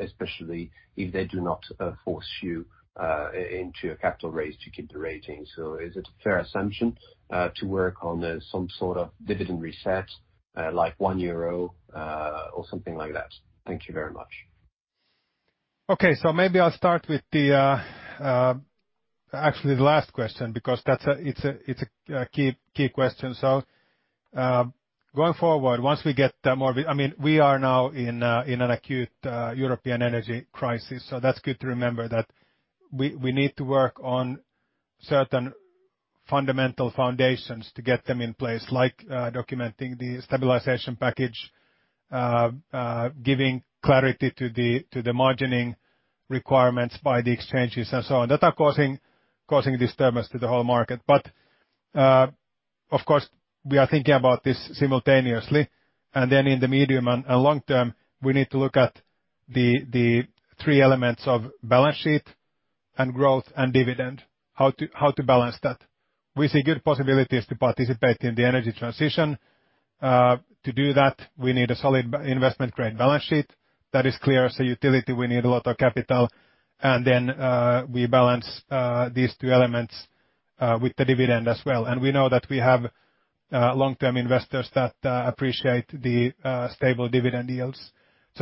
especially if they do not force you into a capital raise to keep the ratings? Is it a fair assumption to work on some sort of dividend reset, like 1 euro, or something like that? Thank you very much. Okay. Maybe I'll start with actually the last question because that's a key question. Going forward, once we get more of it. I mean, we are now in an acute European energy crisis, so that's good to remember that we need to work on certain fundamental foundations to get them in place, like documenting the stabilization package, giving clarity to the margining requirements by the exchanges and so on. That are causing disturbance to the whole market. Of course, we are thinking about this simultaneously. In the medium and long term, we need to look at the three elements of balance sheet and growth and dividend, how to balance that. We see good possibilities to participate in the energy transition. To do that, we need a solid investment-grade balance sheet. That is clear. As a utility, we need a lot of capital. We balance these two elements with the dividend as well. We know that we have long-term investors that appreciate the stable dividend yields.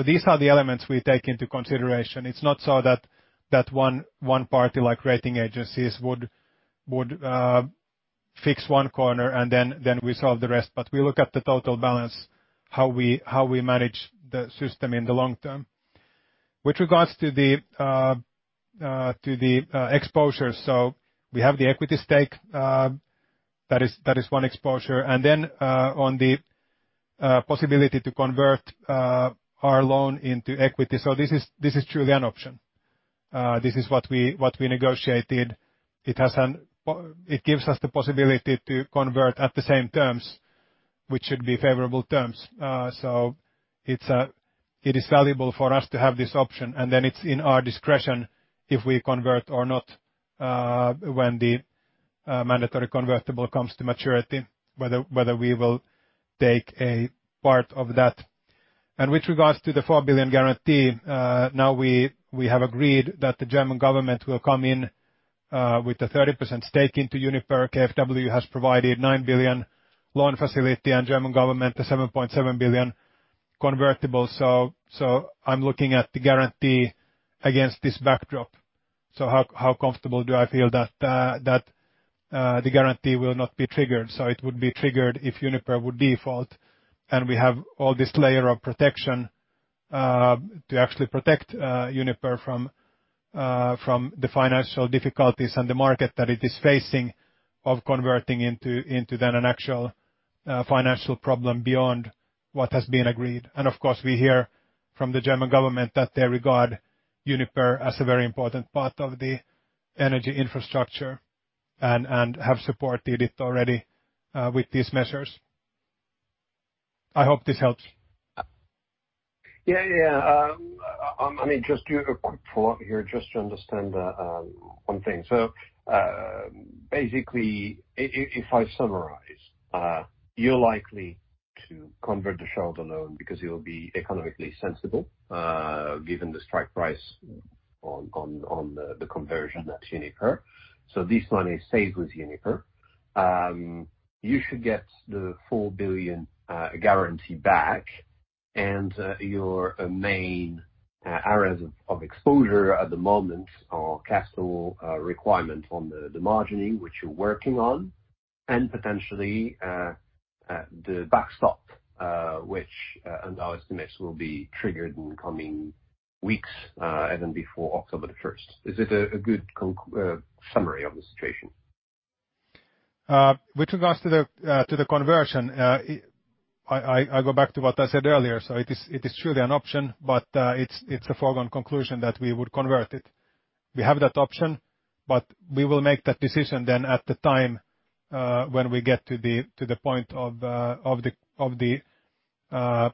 These are the elements we take into consideration. It's not so that one party like rating agencies would fix one corner and then we solve the rest. We look at the total balance, how we manage the system in the long term. With regards to the exposure, we have the equity stake that is one exposure. On the possibility to convert our loan into equity. This is truly an option. This is what we negotiated. It gives us the possibility to convert at the same terms, which should be favorable terms. It is valuable for us to have this option, and then it is in our discretion if we convert or not, when the mandatory convertible comes to maturity, whether we will take a part of that. With regards to the 4 billion guarantee, we have agreed that the German government will come in with a 30% stake into Uniper. KfW has provided 9 billion loan facility and German government, a 7.7 billion convertible. I'm looking at the guarantee against this backdrop. How comfortable do I feel that the guarantee will not be triggered? It would be triggered if Uniper would default, and we have all this layer of protection to actually protect Uniper from the financial difficulties and the market that it is facing, of converting into then an actual financial problem beyond what has been agreed. Of course, we hear from the German government that they regard Uniper as a very important part of the energy infrastructure and have supported it already with these measures. I hope this helps. Yeah, yeah. I mean, just do a quick follow-up here just to understand the one thing. Basically if I summarize, you're likely to convert the shareholder loan because it will be economically sensible, given the strike price on the conversion at Uniper. This money stays with Uniper. You should get the 4 billion guarantee back. Your main areas of exposure at the moment are capital requirement on the margining, which you're working on, and potentially the backstop, which under our estimates, will be triggered in coming weeks, and then before October the first. Is it a good summary of the situation? With regards to the conversion, I go back to what I said earlier. It is truly an option, but it's a foregone conclusion that we would convert it. We have that option, but we will make that decision then at the time when we get to the point of the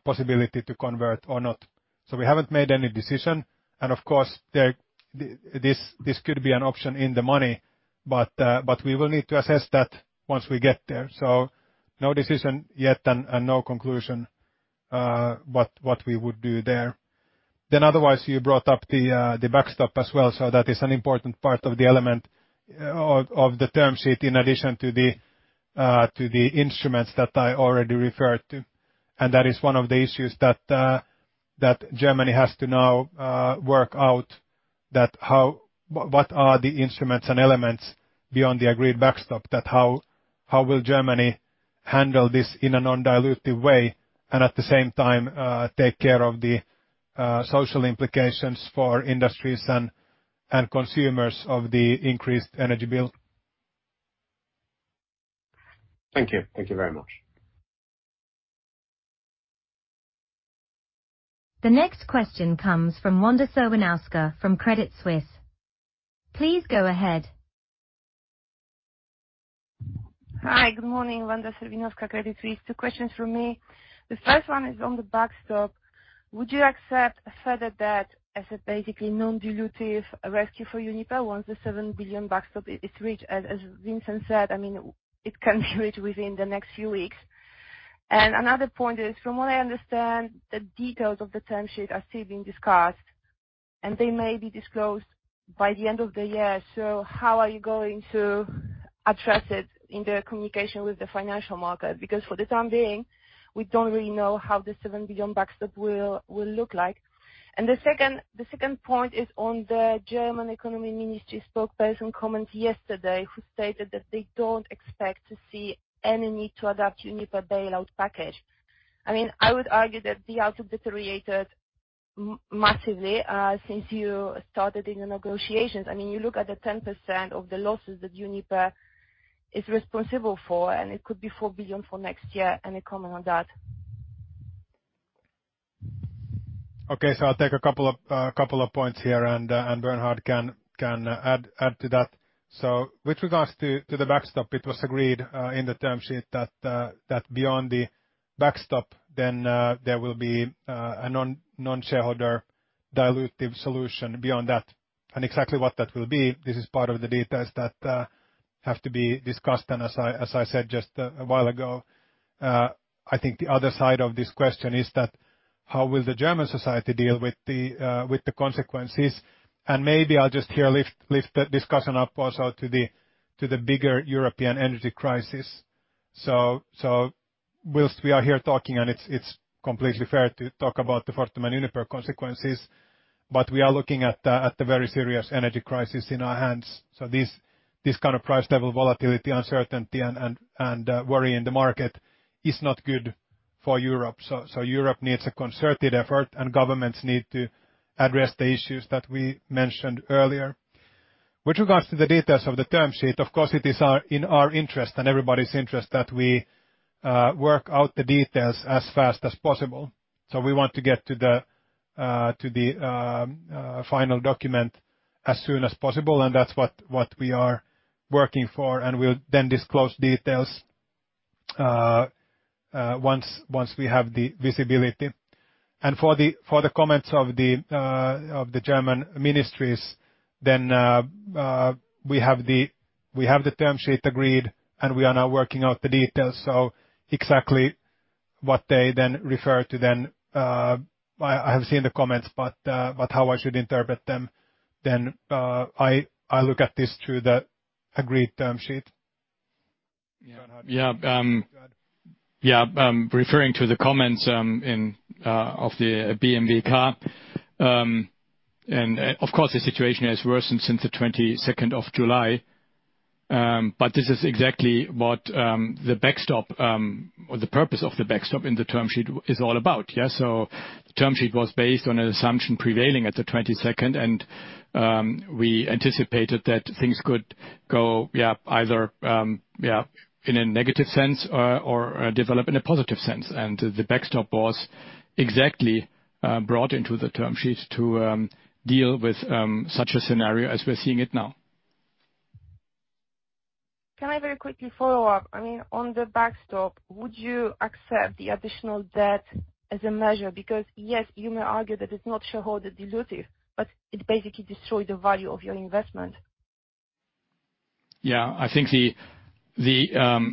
possibility to convert or not. We haven't made any decision. Of course, this could be an option in the money. But we will need to assess that once we get there. No decision yet and no conclusion what we would do there. Otherwise, you brought up the backstop as well. That is an important part of the elements of the term sheet, in addition to the instruments that I already referred to. That is one of the issues that Germany has to now work out what are the instruments and elements beyond the agreed backstop, how will Germany handle this in a non-dilutive way and at the same time take care of the social implications for industries and consumers of the increased energy bills? Thank you. Thank you very much. The next question comes from Wanda Serwinowska from Credit Suisse. Please go ahead. Hi. Good morning. Wanda Serwinowska, Credit Suisse. Two questions from me. The first one is on the backstop. Would you accept a further debt as a basically non-dilutive rescue for Uniper once the 7 billion backstop is reached, as Vincent said? I mean, it can be reached within the next few weeks. Another point is, from what I understand, the details of the term sheet are still being discussed, and they may be disclosed by the end of the year. How are you going to address it in the communication with the financial market? Because for the time being, we don't really know how the 7 billion backstop will look like. The second point is on the German Economy Ministry spokesperson's comment yesterday, who stated that they don't expect to see any need to adapt Uniper bailout package. I mean, I would argue that the offer deteriorated massively since you started in your negotiations. I mean, you look at the 10% of the losses that Uniper is responsible for, and it could be 4 billion for next year. Any comment on that? Okay, I'll take a couple of points here, and Bernhard can add to that. With regards to the backstop, it was agreed in the term sheet that beyond the backstop, then there will be a non-shareholder dilutive solution beyond that. Exactly what that will be, this is part of the details that have to be discussed. As I said just a while ago, I think the other side of this question is that how will the German society deal with the consequences? Maybe I'll just here lift the discussion up also to the bigger European energy crisis. While we are here talking, and it's completely fair to talk about the Fortum and Uniper consequences, but we are looking at the very serious energy crisis in our hands. This kind of price level volatility, uncertainty, and worry in the market is not good for Europe. Europe needs a concerted effort, and governments need to address the issues that we mentioned earlier. With regards to the details of the term sheet, of course it is in our interest and everybody's interest that we work out the details as fast as possible. We want to get to the final document as soon as possible, and that's what we are working for, and we'll then disclose details once we have the visibility. For the comments of the German ministries, we have the term sheet agreed, and we are now working out the details. Exactly what they refer to, I have seen the comments, but how I should interpret them, I look at this through the agreed term sheet. Referring to the comments of the BMWK, and of course, the situation has worsened since July 22nd. This is exactly what the backstop, or the purpose of the backstop in the term sheet, is all about. The term sheet was based on an assumption prevailing at the 22nd, and we anticipated that things could go either in a negative sense or develop in a positive sense. The backstop was exactly brought into the term sheet to deal with such a scenario as we're seeing now. Can I very quickly follow up? I mean, on the backstop, would you accept the additional debt as a measure? Because, yes, you may argue that it's not shareholder dilutive, but it basically destroyed the value of your investment. Yeah. I think the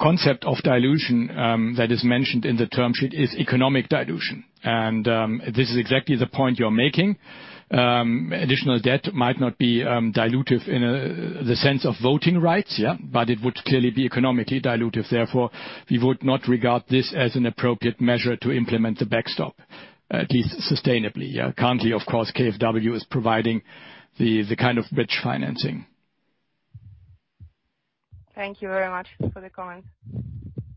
concept of dilution that is mentioned in the term sheet is economic dilution. This is exactly the point you're making. Additional debt might not be dilutive in the sense of voting rights, yeah, but it would clearly be economically dilutive. Therefore, we would not regard this as an appropriate measure to implement the backstop, at least sustainably, yeah. Currently, of course, KfW is providing the kind of bridge financing. Thank you very much for the comment. Thank you.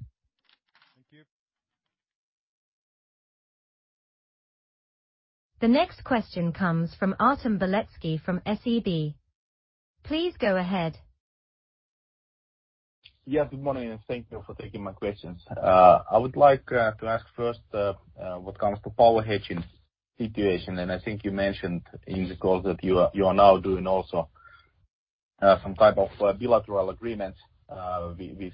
The next question comes from Artem Beletski from SEB. Please go ahead. Yeah, good morning, and thank you for taking my questions. I would like to ask first, when it comes to power hedging situation, and I think you mentioned in the call that you are now doing also some type of bilateral agreement with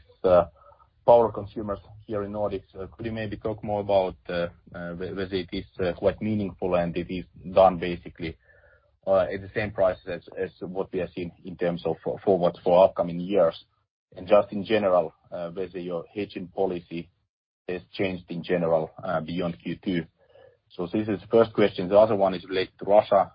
power consumers here in Nordics. Could you maybe talk more about whether it is quite meaningful and it is done basically at the same price as what we have seen in terms of forwards for upcoming years? And just in general, whether your hedging policy has changed in general beyond Q2. This is first question. The other one is related to Russia.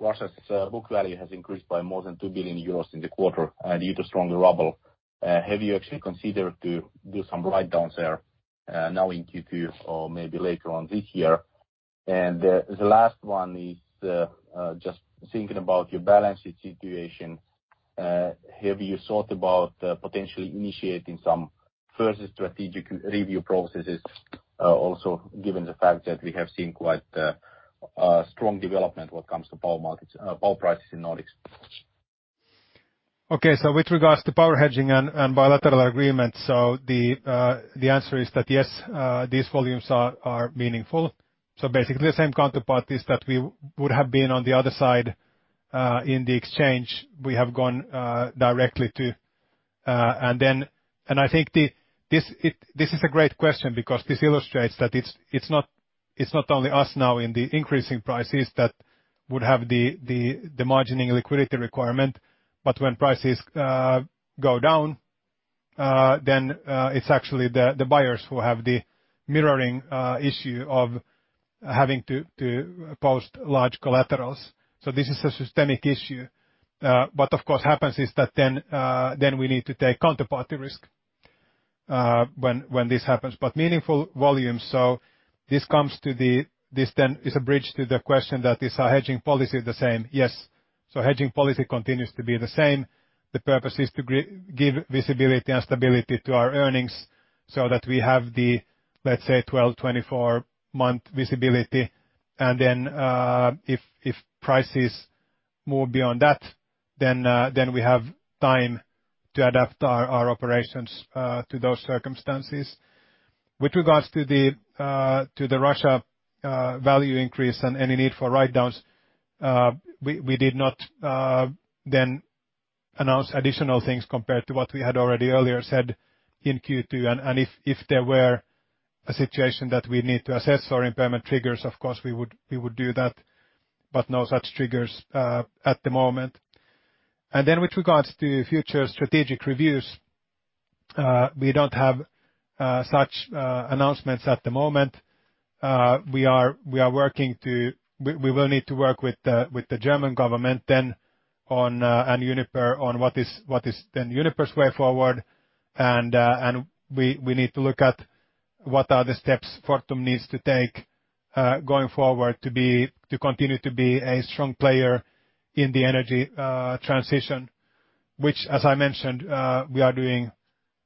Russia's book value has increased by more than 2 billion euros in the quarter due to stronger ruble. Have you actually considered to do some write-downs there, now in Q2 or maybe later on this year? The last one is, just thinking about your balance sheet situation, have you thought about, potentially initiating some further strategic review processes, also given the fact that we have seen quite, strong development when it comes to power markets, power prices in Nordics? Okay. With regards to power hedging and bilateral agreements, the answer is that yes, these volumes are meaningful. Basically the same counterparties that we would have been on the other side in the exchange we have gone directly to. I think this is a great question because this illustrates that it's not only us now in the increasing prices that would have the margining liquidity requirement, but when prices go down, then it's actually the buyers who have the margining issue of having to post large collaterals. This is a systemic issue. What of course happens is that then we need to take counterparty risk when this happens, but meaningful volumes. This is a bridge to the question: is our hedging policy the same? Yes. Hedging policy continues to be the same. The purpose is to give visibility and stability to our earnings so that we have, let's say, 12-24-month visibility. Then, if prices move beyond that, then we have time to adapt our operations to those circumstances. With regards to the Russian value increase and any need for write-downs, we did not then announce additional things compared to what we had already earlier said in Q2. If there were a situation that we need to assess or impairment triggers, of course we would do that, but no such triggers at the moment. With regards to future strategic reviews, we don't have such announcements at the moment. We will need to work with the German government then on, and Uniper on what is then Uniper's way forward. We need to look at what are the steps Fortum needs to take going forward to continue to be a strong player in the energy transition. Which, as I mentioned, we are doing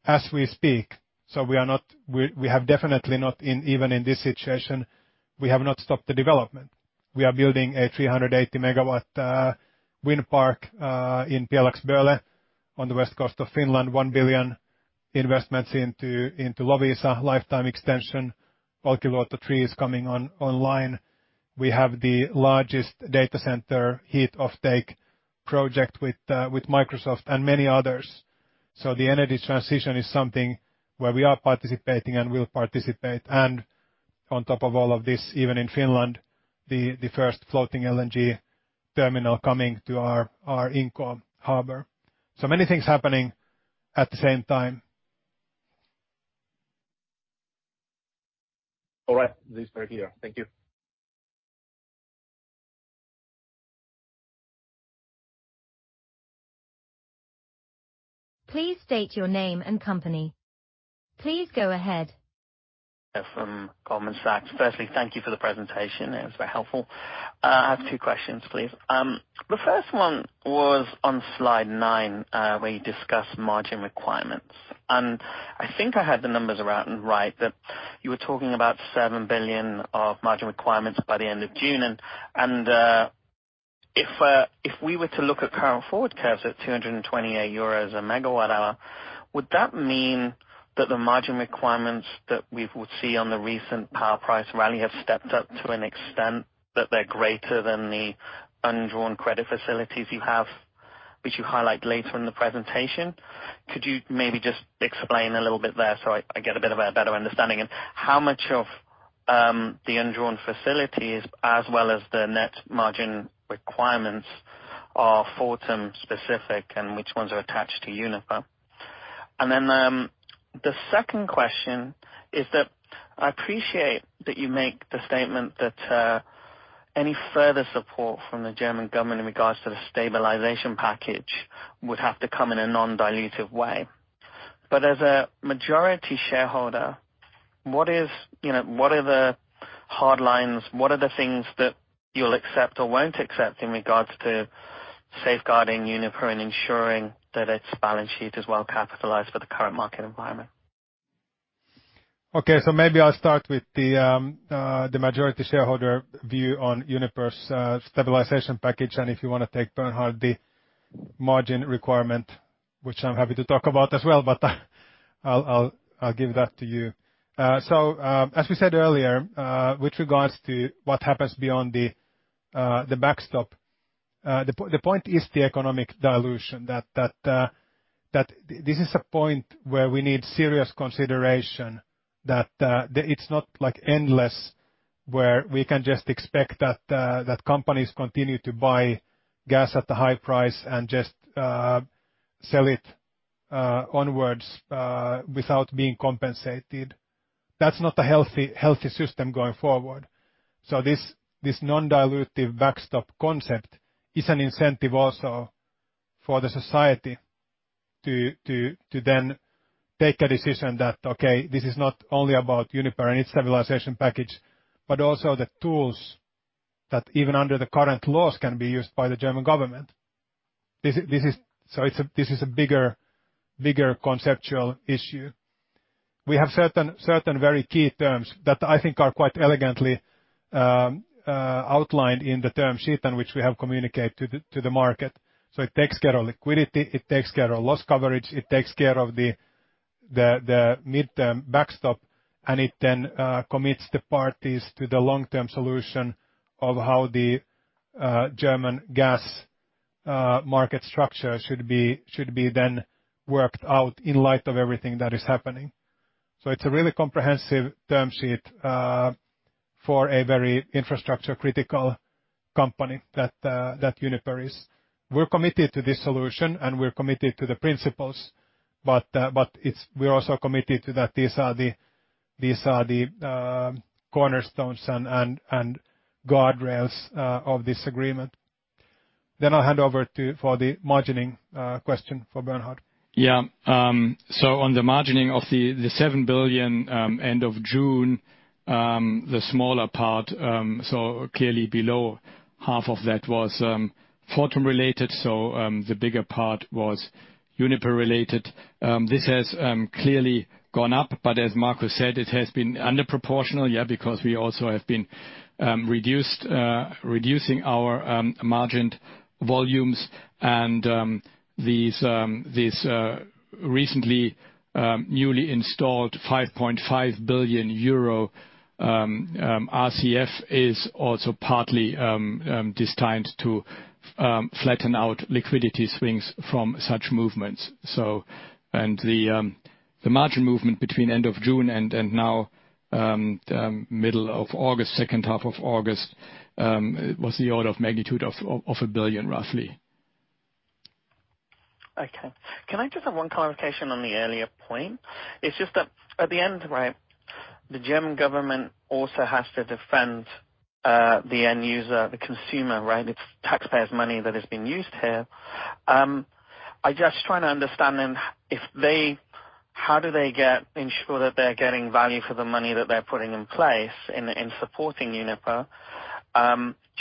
as we speak. We have definitely not, even in this situation, stopped the development. We are building a 380 MW wind park in Pjelax-Böle on the west coast of Finland, 1 billion investments into Loviisa lifetime extension. Olkiluoto 3 is coming online. We have the largest data center heat offtake project with Microsoft and many others. The energy transition is something where we are participating and will participate. On top of all of this, even in Finland, the first floating LNG terminal coming to our Inkoo harbor. Many things happening at the same time. All right. These are here. Thank you. Please state your name and company. Please go ahead. From Goldman Sachs. Firstly, thank you for the presentation. It was very helpful. I have two questions, please. The first one was on slide nine, where you discuss margin requirements. I think I had the numbers about right, that you were talking about 7 billion of margin requirements by the end of June. If we were to look at current forward curves at 228 euros a MWh, would that mean that the margin requirements that we would see on the recent power price rally have stepped up to an extent that they're greater than the undrawn credit facilities you have, which you highlight later in the presentation? Could you maybe just explain a little bit there so I get a bit of a better understanding? How much of the undrawn facilities as well as the net margin requirements are Fortum-specific, and which ones are attached to Uniper? Then, the second question is that I appreciate that you make the statement that any further support from the German government in regards to the stabilization package would have to come in a non-dilutive way. As a majority shareholder, what is, you know, what are the hard lines? What are the things that you'll accept or won't accept in regards to safeguarding Uniper and ensuring that its balance sheet is well capitalized for the current market environment? Okay. Maybe I'll start with the majority shareholder view on Uniper's stabilization package. If you wanna take Bernhard, the margin requirement, which I'm happy to talk about as well, but I'll give that to you. As we said earlier, with regards to what happens beyond the backstop, the point is the economic dilution, that this is a point where we need serious consideration, that it's not, like, endless, where we can just expect that companies continue to buy gas at the high price and just sell it onwards without being compensated. That's not a healthy system going forward. This non-dilutive backstop concept is an incentive also for the society to then take a decision that, okay, this is not only about Uniper and its stabilization package, but also the tools that even under the current laws, can be used by the German government. This is a bigger conceptual issue. We have certain very key terms that I think are quite elegantly outlined in the term sheet and which we have communicated to the market. It takes care of liquidity, it takes care of loss coverage, it takes care of the midterm backstop, and it then commits the parties to the long-term solution of how the German gas market structure should be then worked out in light of everything that is happening. It's a really comprehensive term sheet for a very infrastructure-critical company that Uniper is. We're committed to this solution, and we're committed to the principles, but it's, we're also committed to that these are the cornerstones and guardrails of this agreement. I'll hand over for the margining question for Bernhard. Yeah. So on the margining of the 7 billion end of June, the smaller part so clearly below half of that was Fortum-related, the bigger part was Uniper-related. This has clearly gone up, but as Markus said, it has been not proportional, yeah, because we also have been reducing our margined volumes and these recently newly installed 5.5 billion euro RCF is also partly designed to flatten out liquidity swings from such movements. The margin movement between end of June and now, the middle of August, second half of August, was the order of magnitude of 1 billion, roughly. Okay. Can I just have one clarification on the earlier point? It's just that at the end, right, the German government also has to defend the end user, the consumer, right? It's taxpayers' money that is being used here. I'm just trying to understand then. How do they ensure that they're getting value for the money that they're putting in place in supporting Uniper?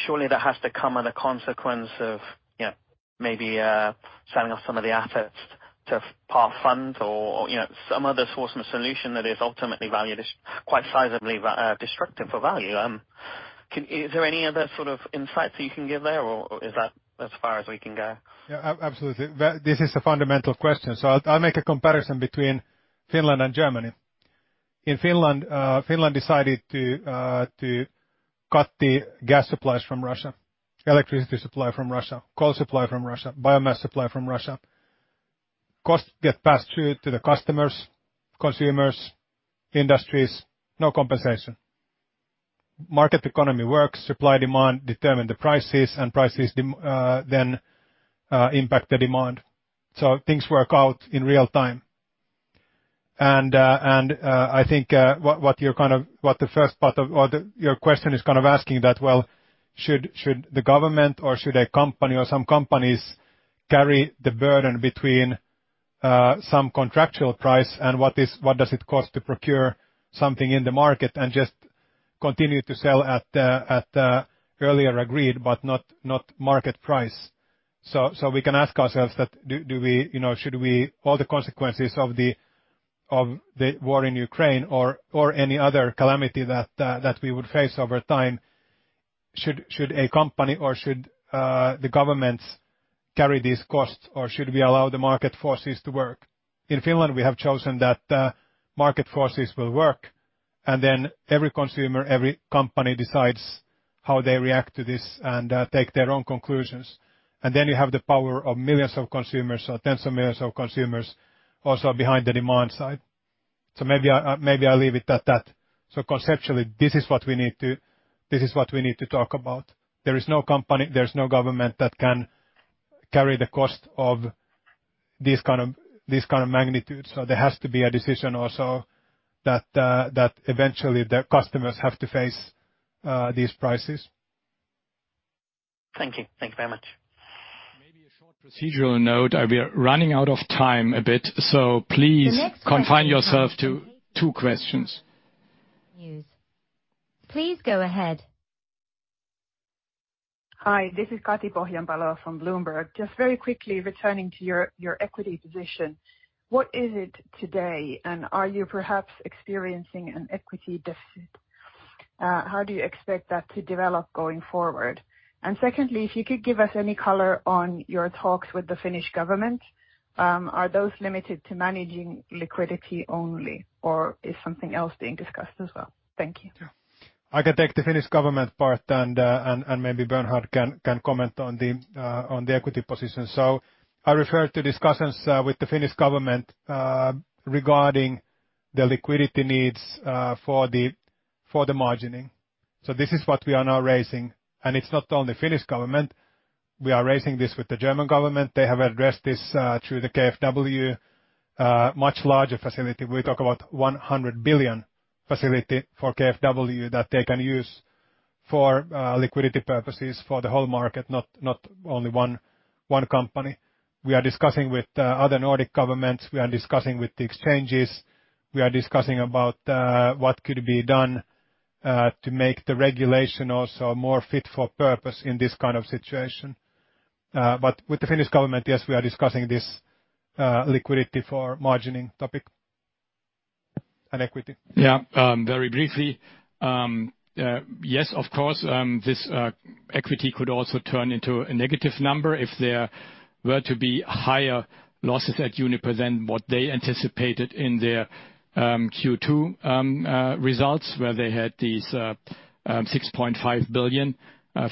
Surely that has to come at a consequence of, you know, maybe selling off some of the assets to power funds or, you know, some other source and solution that is ultimately valued as quite sizably destructive for value. Is there any other sort of insights that you can give there, or is that as far as we can go? Yeah, absolutely. Well, this is a fundamental question. I'll make a comparison between Finland and Germany. In Finland decided to cut the gas supplies from Russia, electricity supply from Russia, coal supply from Russia, biomass supply from Russia. Costs get passed through to the customers, consumers, industries, no compensation. Market economy works, supply/demand determine the prices, and prices then impact the demand. Things work out in real time. Your question is kind of asking that, well, should the government or should a company or some companies carry the burden between some contractual price and what does it cost to procure something in the market and just continue to sell at earlier agreed, but not market price. We can ask ourselves that, do we, you know, should we all the consequences of the war in Ukraine or any other calamity that we would face over time, should a company or should the governments carry these costs, or should we allow the market forces to work? In Finland, we have chosen that market forces will work, and then every consumer, every company decides how they react to this and take their own conclusions. You have the power of millions of consumers or tens of millions of consumers also behind the demand side. Maybe I, maybe I'll leave it at that. Conceptually, this is what we need to talk about. There is no company, there's no government that can carry the cost of this kind of magnitude. There has to be a decision also that eventually the customers have to face these prices. Thank you. Thank you very much. Maybe a short procedural note. We are running out of time a bit, so please confine yourself to two questions. Please go ahead. Hi, this is Kati Pohjanpalo from Bloomberg. Just very quickly returning to your equity position. What is it today, and are you perhaps experiencing an equity deficit? How do you expect that to develop going forward? Secondly, if you could give us any color on your talks with the Finnish government, are those limited to managing liquidity only, or is something else being discussed as well? Thank you. I can take the Finnish government part and maybe Bernhard can comment on the equity position. I refer to discussions with the Finnish government regarding the liquidity needs for the margining. This is what we are now raising, and it's not only Finnish government. We are raising this with the German government. They have addressed this through the KfW much larger facility. We talk about 100 billion facility for KfW that they can use for liquidity purposes for the whole market, not only one company. We are discussing with other Nordic governments. We are discussing with the exchanges. We are discussing about what could be done to make the regulation also more fit for purpose in this kind of situation. With the Finnish government, yes, we are discussing this, liquidity for margining topic and equity. Yeah, very briefly. Yes, of course, this equity could also turn into a negative number if there were to be higher losses at Uniper than what they anticipated in their Q2 results, where they had these 6.5 billion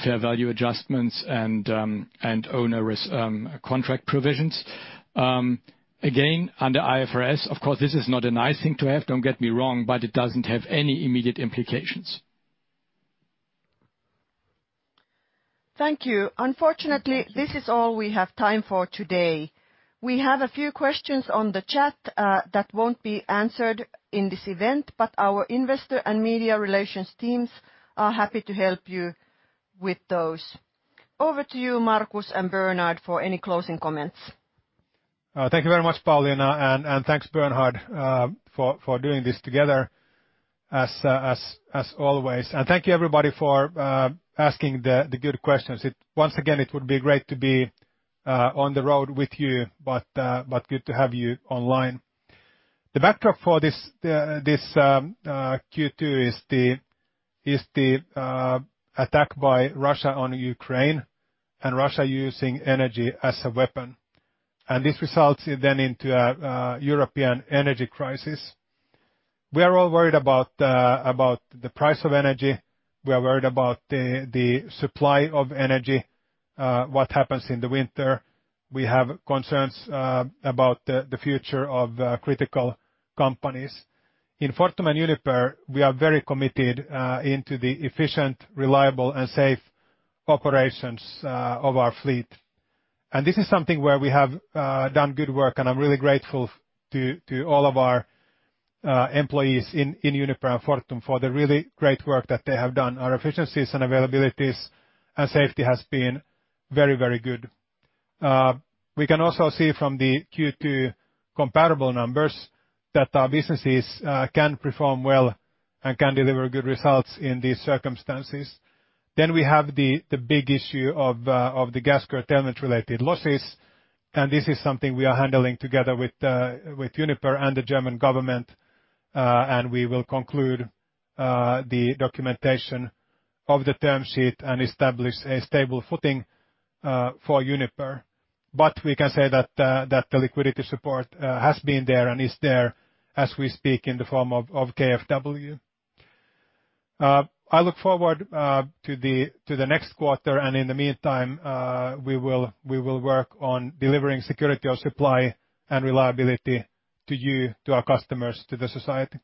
fair value adjustments and onerous contract provisions. Again, under IFRS, of course, this is not a nice thing to have, don't get me wrong, but it doesn't have any immediate implications. Thank you. Unfortunately, this is all we have time for today. We have a few questions on the chat that won't be answered in this event, but our investor and media relations teams are happy to help you with those. Over to you, Markus and Bernhard, for any closing comments. Thank you very much, Pauliina, and thanks, Bernhard, for doing this together as always. Thank you, everybody, for asking the good questions. Once again, it would be great to be on the road with you, but good to have you online. The backdrop for this Q2 is the attack by Russia on Ukraine and Russia using energy as a weapon. This results then into a European energy crisis. We are all worried about the price of energy. We are worried about the supply of energy, what happens in the winter. We have concerns about the future of critical companies. In Fortum and Uniper, we are very committed into the efficient, reliable, and safe operations of our fleet. This is something where we have done good work, and I'm really grateful to all of our employees in Uniper and Fortum for the really great work that they have done. Our efficiencies and availabilities and safety has been very, very good. We can also see from the Q2 comparable numbers that our businesses can perform well and can deliver good results in these circumstances. We have the big issue of the Gazprom agreement-related losses, and this is something we are handling together with Uniper and the German government, and we will conclude the documentation of the term sheet and establish a stable footing for Uniper. We can say that the liquidity support has been there and is there as we speak, in the form of KfW. I look forward to the next quarter. In the meantime, we will work on delivering security of supply and reliability to you, to our customers, to the society.